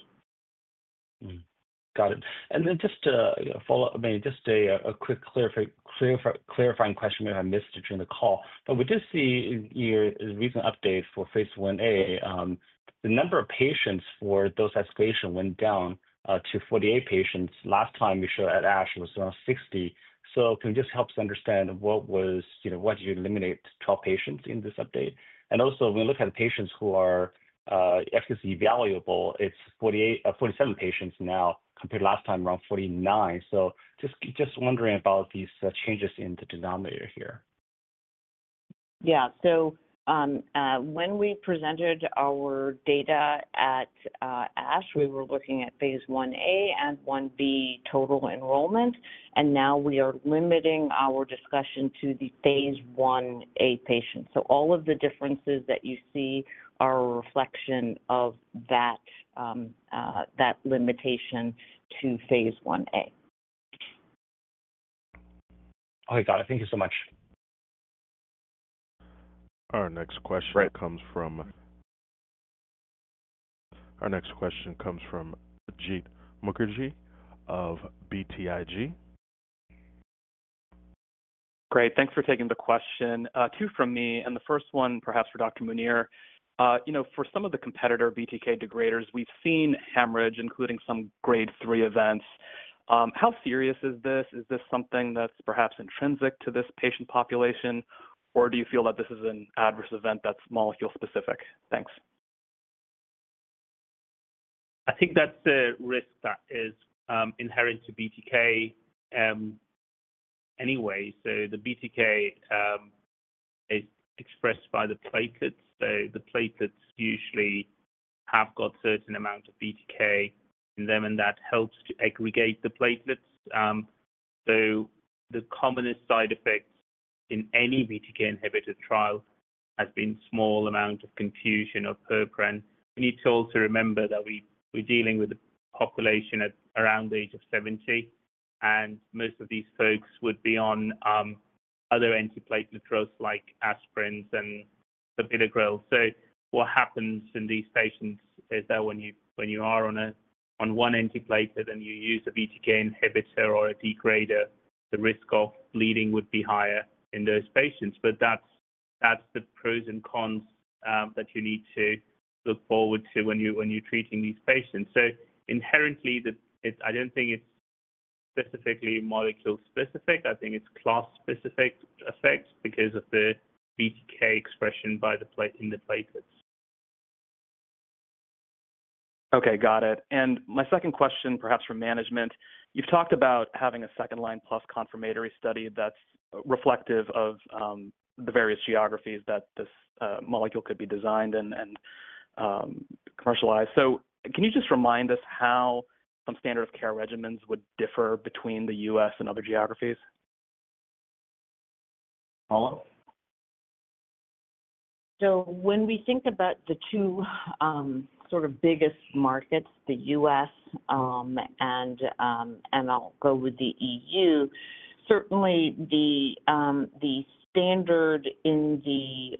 Got it. And then just to follow up, maybe just a quick clarifying question we had missed during the call. But we did see in your recent update for phase I-A, the number of patients for dose escalation went down to 48 patients. Last time you showed at ASH, it was around 60. So can you just help us understand what did you eliminate? Twelve patients in this update? And also, when we look at the patients who are efficacy evaluable, it is 47 patients now compared to last time, around 49. So just wondering about these changes in the denominator here. Yeah. When we presented our data at ASH, we were looking at phase I-A and I-B total enrollment, and now we are limiting our discussion to the phase I-A patients. All of the differences that you see are a reflection of that limitation to phase I-A. Okay. Got it. Thank you so much. Our next question comes from Jeet Mukherjee of BTIG. Great. Thanks for taking the question. Two from me. The first one, perhaps for Dr. Munir. For some of the competitor BTK degraders, we've seen hemorrhage, including some grade 3 events. How serious is this? Is this something that's perhaps intrinsic to this patient population, or do you feel that this is an adverse event that's molecule-specific? Thanks. I think that's a risk that is inherent to BTK anyway. The BTK is expressed by the platelets. The platelets usually have got a certain amount of BTK in them, and that helps to aggregate the platelets. The commonest side effect in any BTK inhibitor trial has been a small amount of confusion or purpura. We need to also remember that we're dealing with a population around the age of 70, and most of these folks would be on other antiplatelet drugs like aspirin and clopidogrel. What happens in these patients is that when you are on one antiplatelet and you use a BTK inhibitor or a degrader, the risk of bleeding would be higher in those patients. That's the pros and cons that you need to look forward to when you're treating these patients. Inherently, I don't think it's specifically molecule-specific. I think it's class-specific effects because of the BTK expression in the platelets. Okay. Got it. My second question, perhaps for management. You've talked about having a second-line plus confirmatory study that's reflective of the various geographies that this molecule could be designed and commercialized. Can you just remind us how some standard of care regimens would differ between the U.S. and other geographies? Paula. When we think about the two sort of biggest markets, the U.S., and I'll go with the EU, certainly the standard in the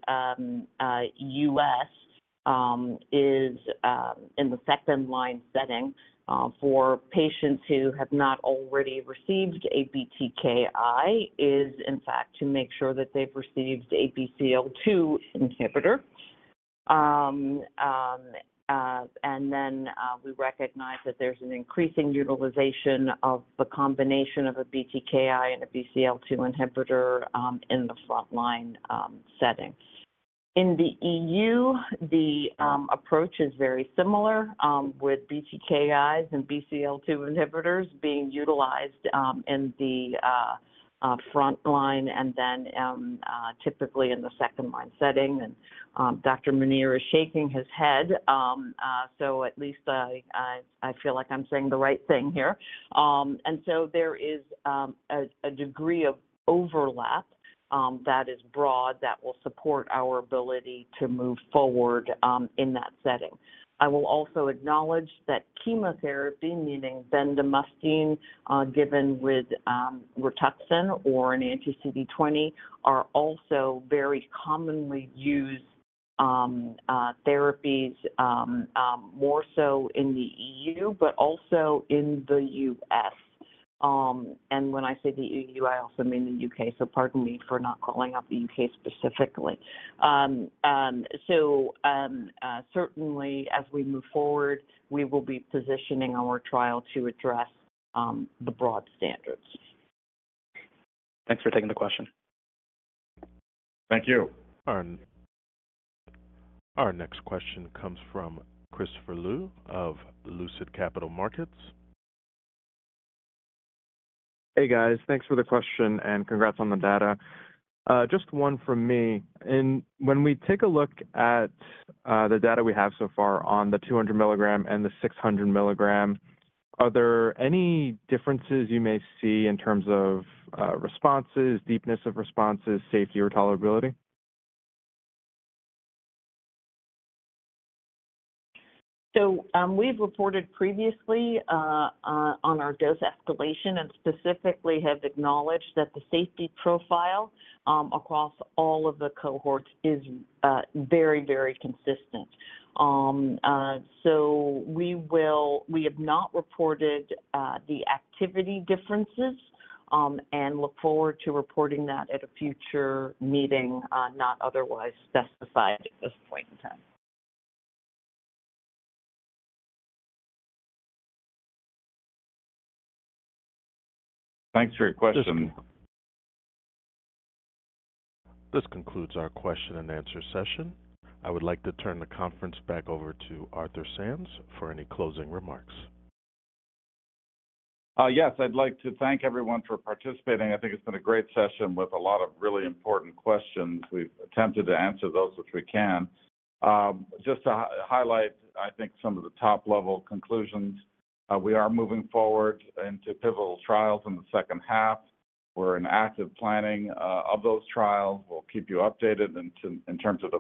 U.S. is in the second-line setting for patients who have not already received a BTKi is, in fact, to make sure that they've received a BCL2 inhibitor. We recognize that there's an increasing utilization of the combination of a BTKi and a BCL2 inhibitor in the front-line setting. In the EU, the approach is very similar, with BTKis and BCL2 inhibitors being utilized in the front line and then typically in the second-line setting. Dr. Munir is shaking his head, so at least I feel like I'm saying the right thing here. There is a degree of overlap that is broad that will support our ability to move forward in that setting. I will also acknowledge that chemotherapy, meaning bendamustine given with RITUXAN or an anti-CD20, are also very commonly used therapies, more so in the EU, but also in the U.S. When I say the EU, I also mean the U.K. Pardon me for not calling out the U.K. specifically. Certainly, as we move forward, we will be positioning our trial to address the broad standards. Thanks for taking the question. Thank you. Our next question comes from Christopher Liu of Lucid Capital Markets. Hey, guys. Thanks for the question, and congrats on the data. Just one from me. When we take a look at the data we have so far on the 200 mg and the 600 mg, are there any differences you may see in terms of responses, deepness of responses, safety, or tolerability? We have reported previously on our dose escalation and specifically have acknowledged that the safety profile across all of the cohorts is very, very consistent. We have not reported the activity differences and look forward to reporting that at a future meeting, not otherwise specified at this point in time. Thanks for your question. This concludes our question-and-answer session. I would like to turn the conference back over to Arthur Sands for any closing remarks. Yes. I'd like to thank everyone for participating. I think it's been a great session with a lot of really important questions. We've attempted to answer those which we can. Just to highlight, I think, some of the top-level conclusions. We are moving forward into pivotal trials in the second half. We're in active planning of those trials. We'll keep you updated in terms of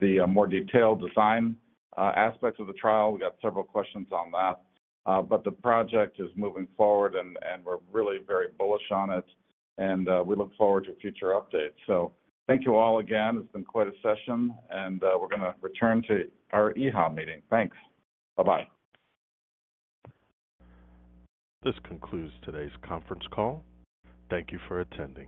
the more detailed design aspects of the trial. We got several questions on that. The project is moving forward, and we're really very bullish on it. We look forward to future updates. Thank you all again. It's been quite a session, and we're going to return to our EHA meeting. Thanks. Bye-bye. This concludes today's conference call. Thank you for attending.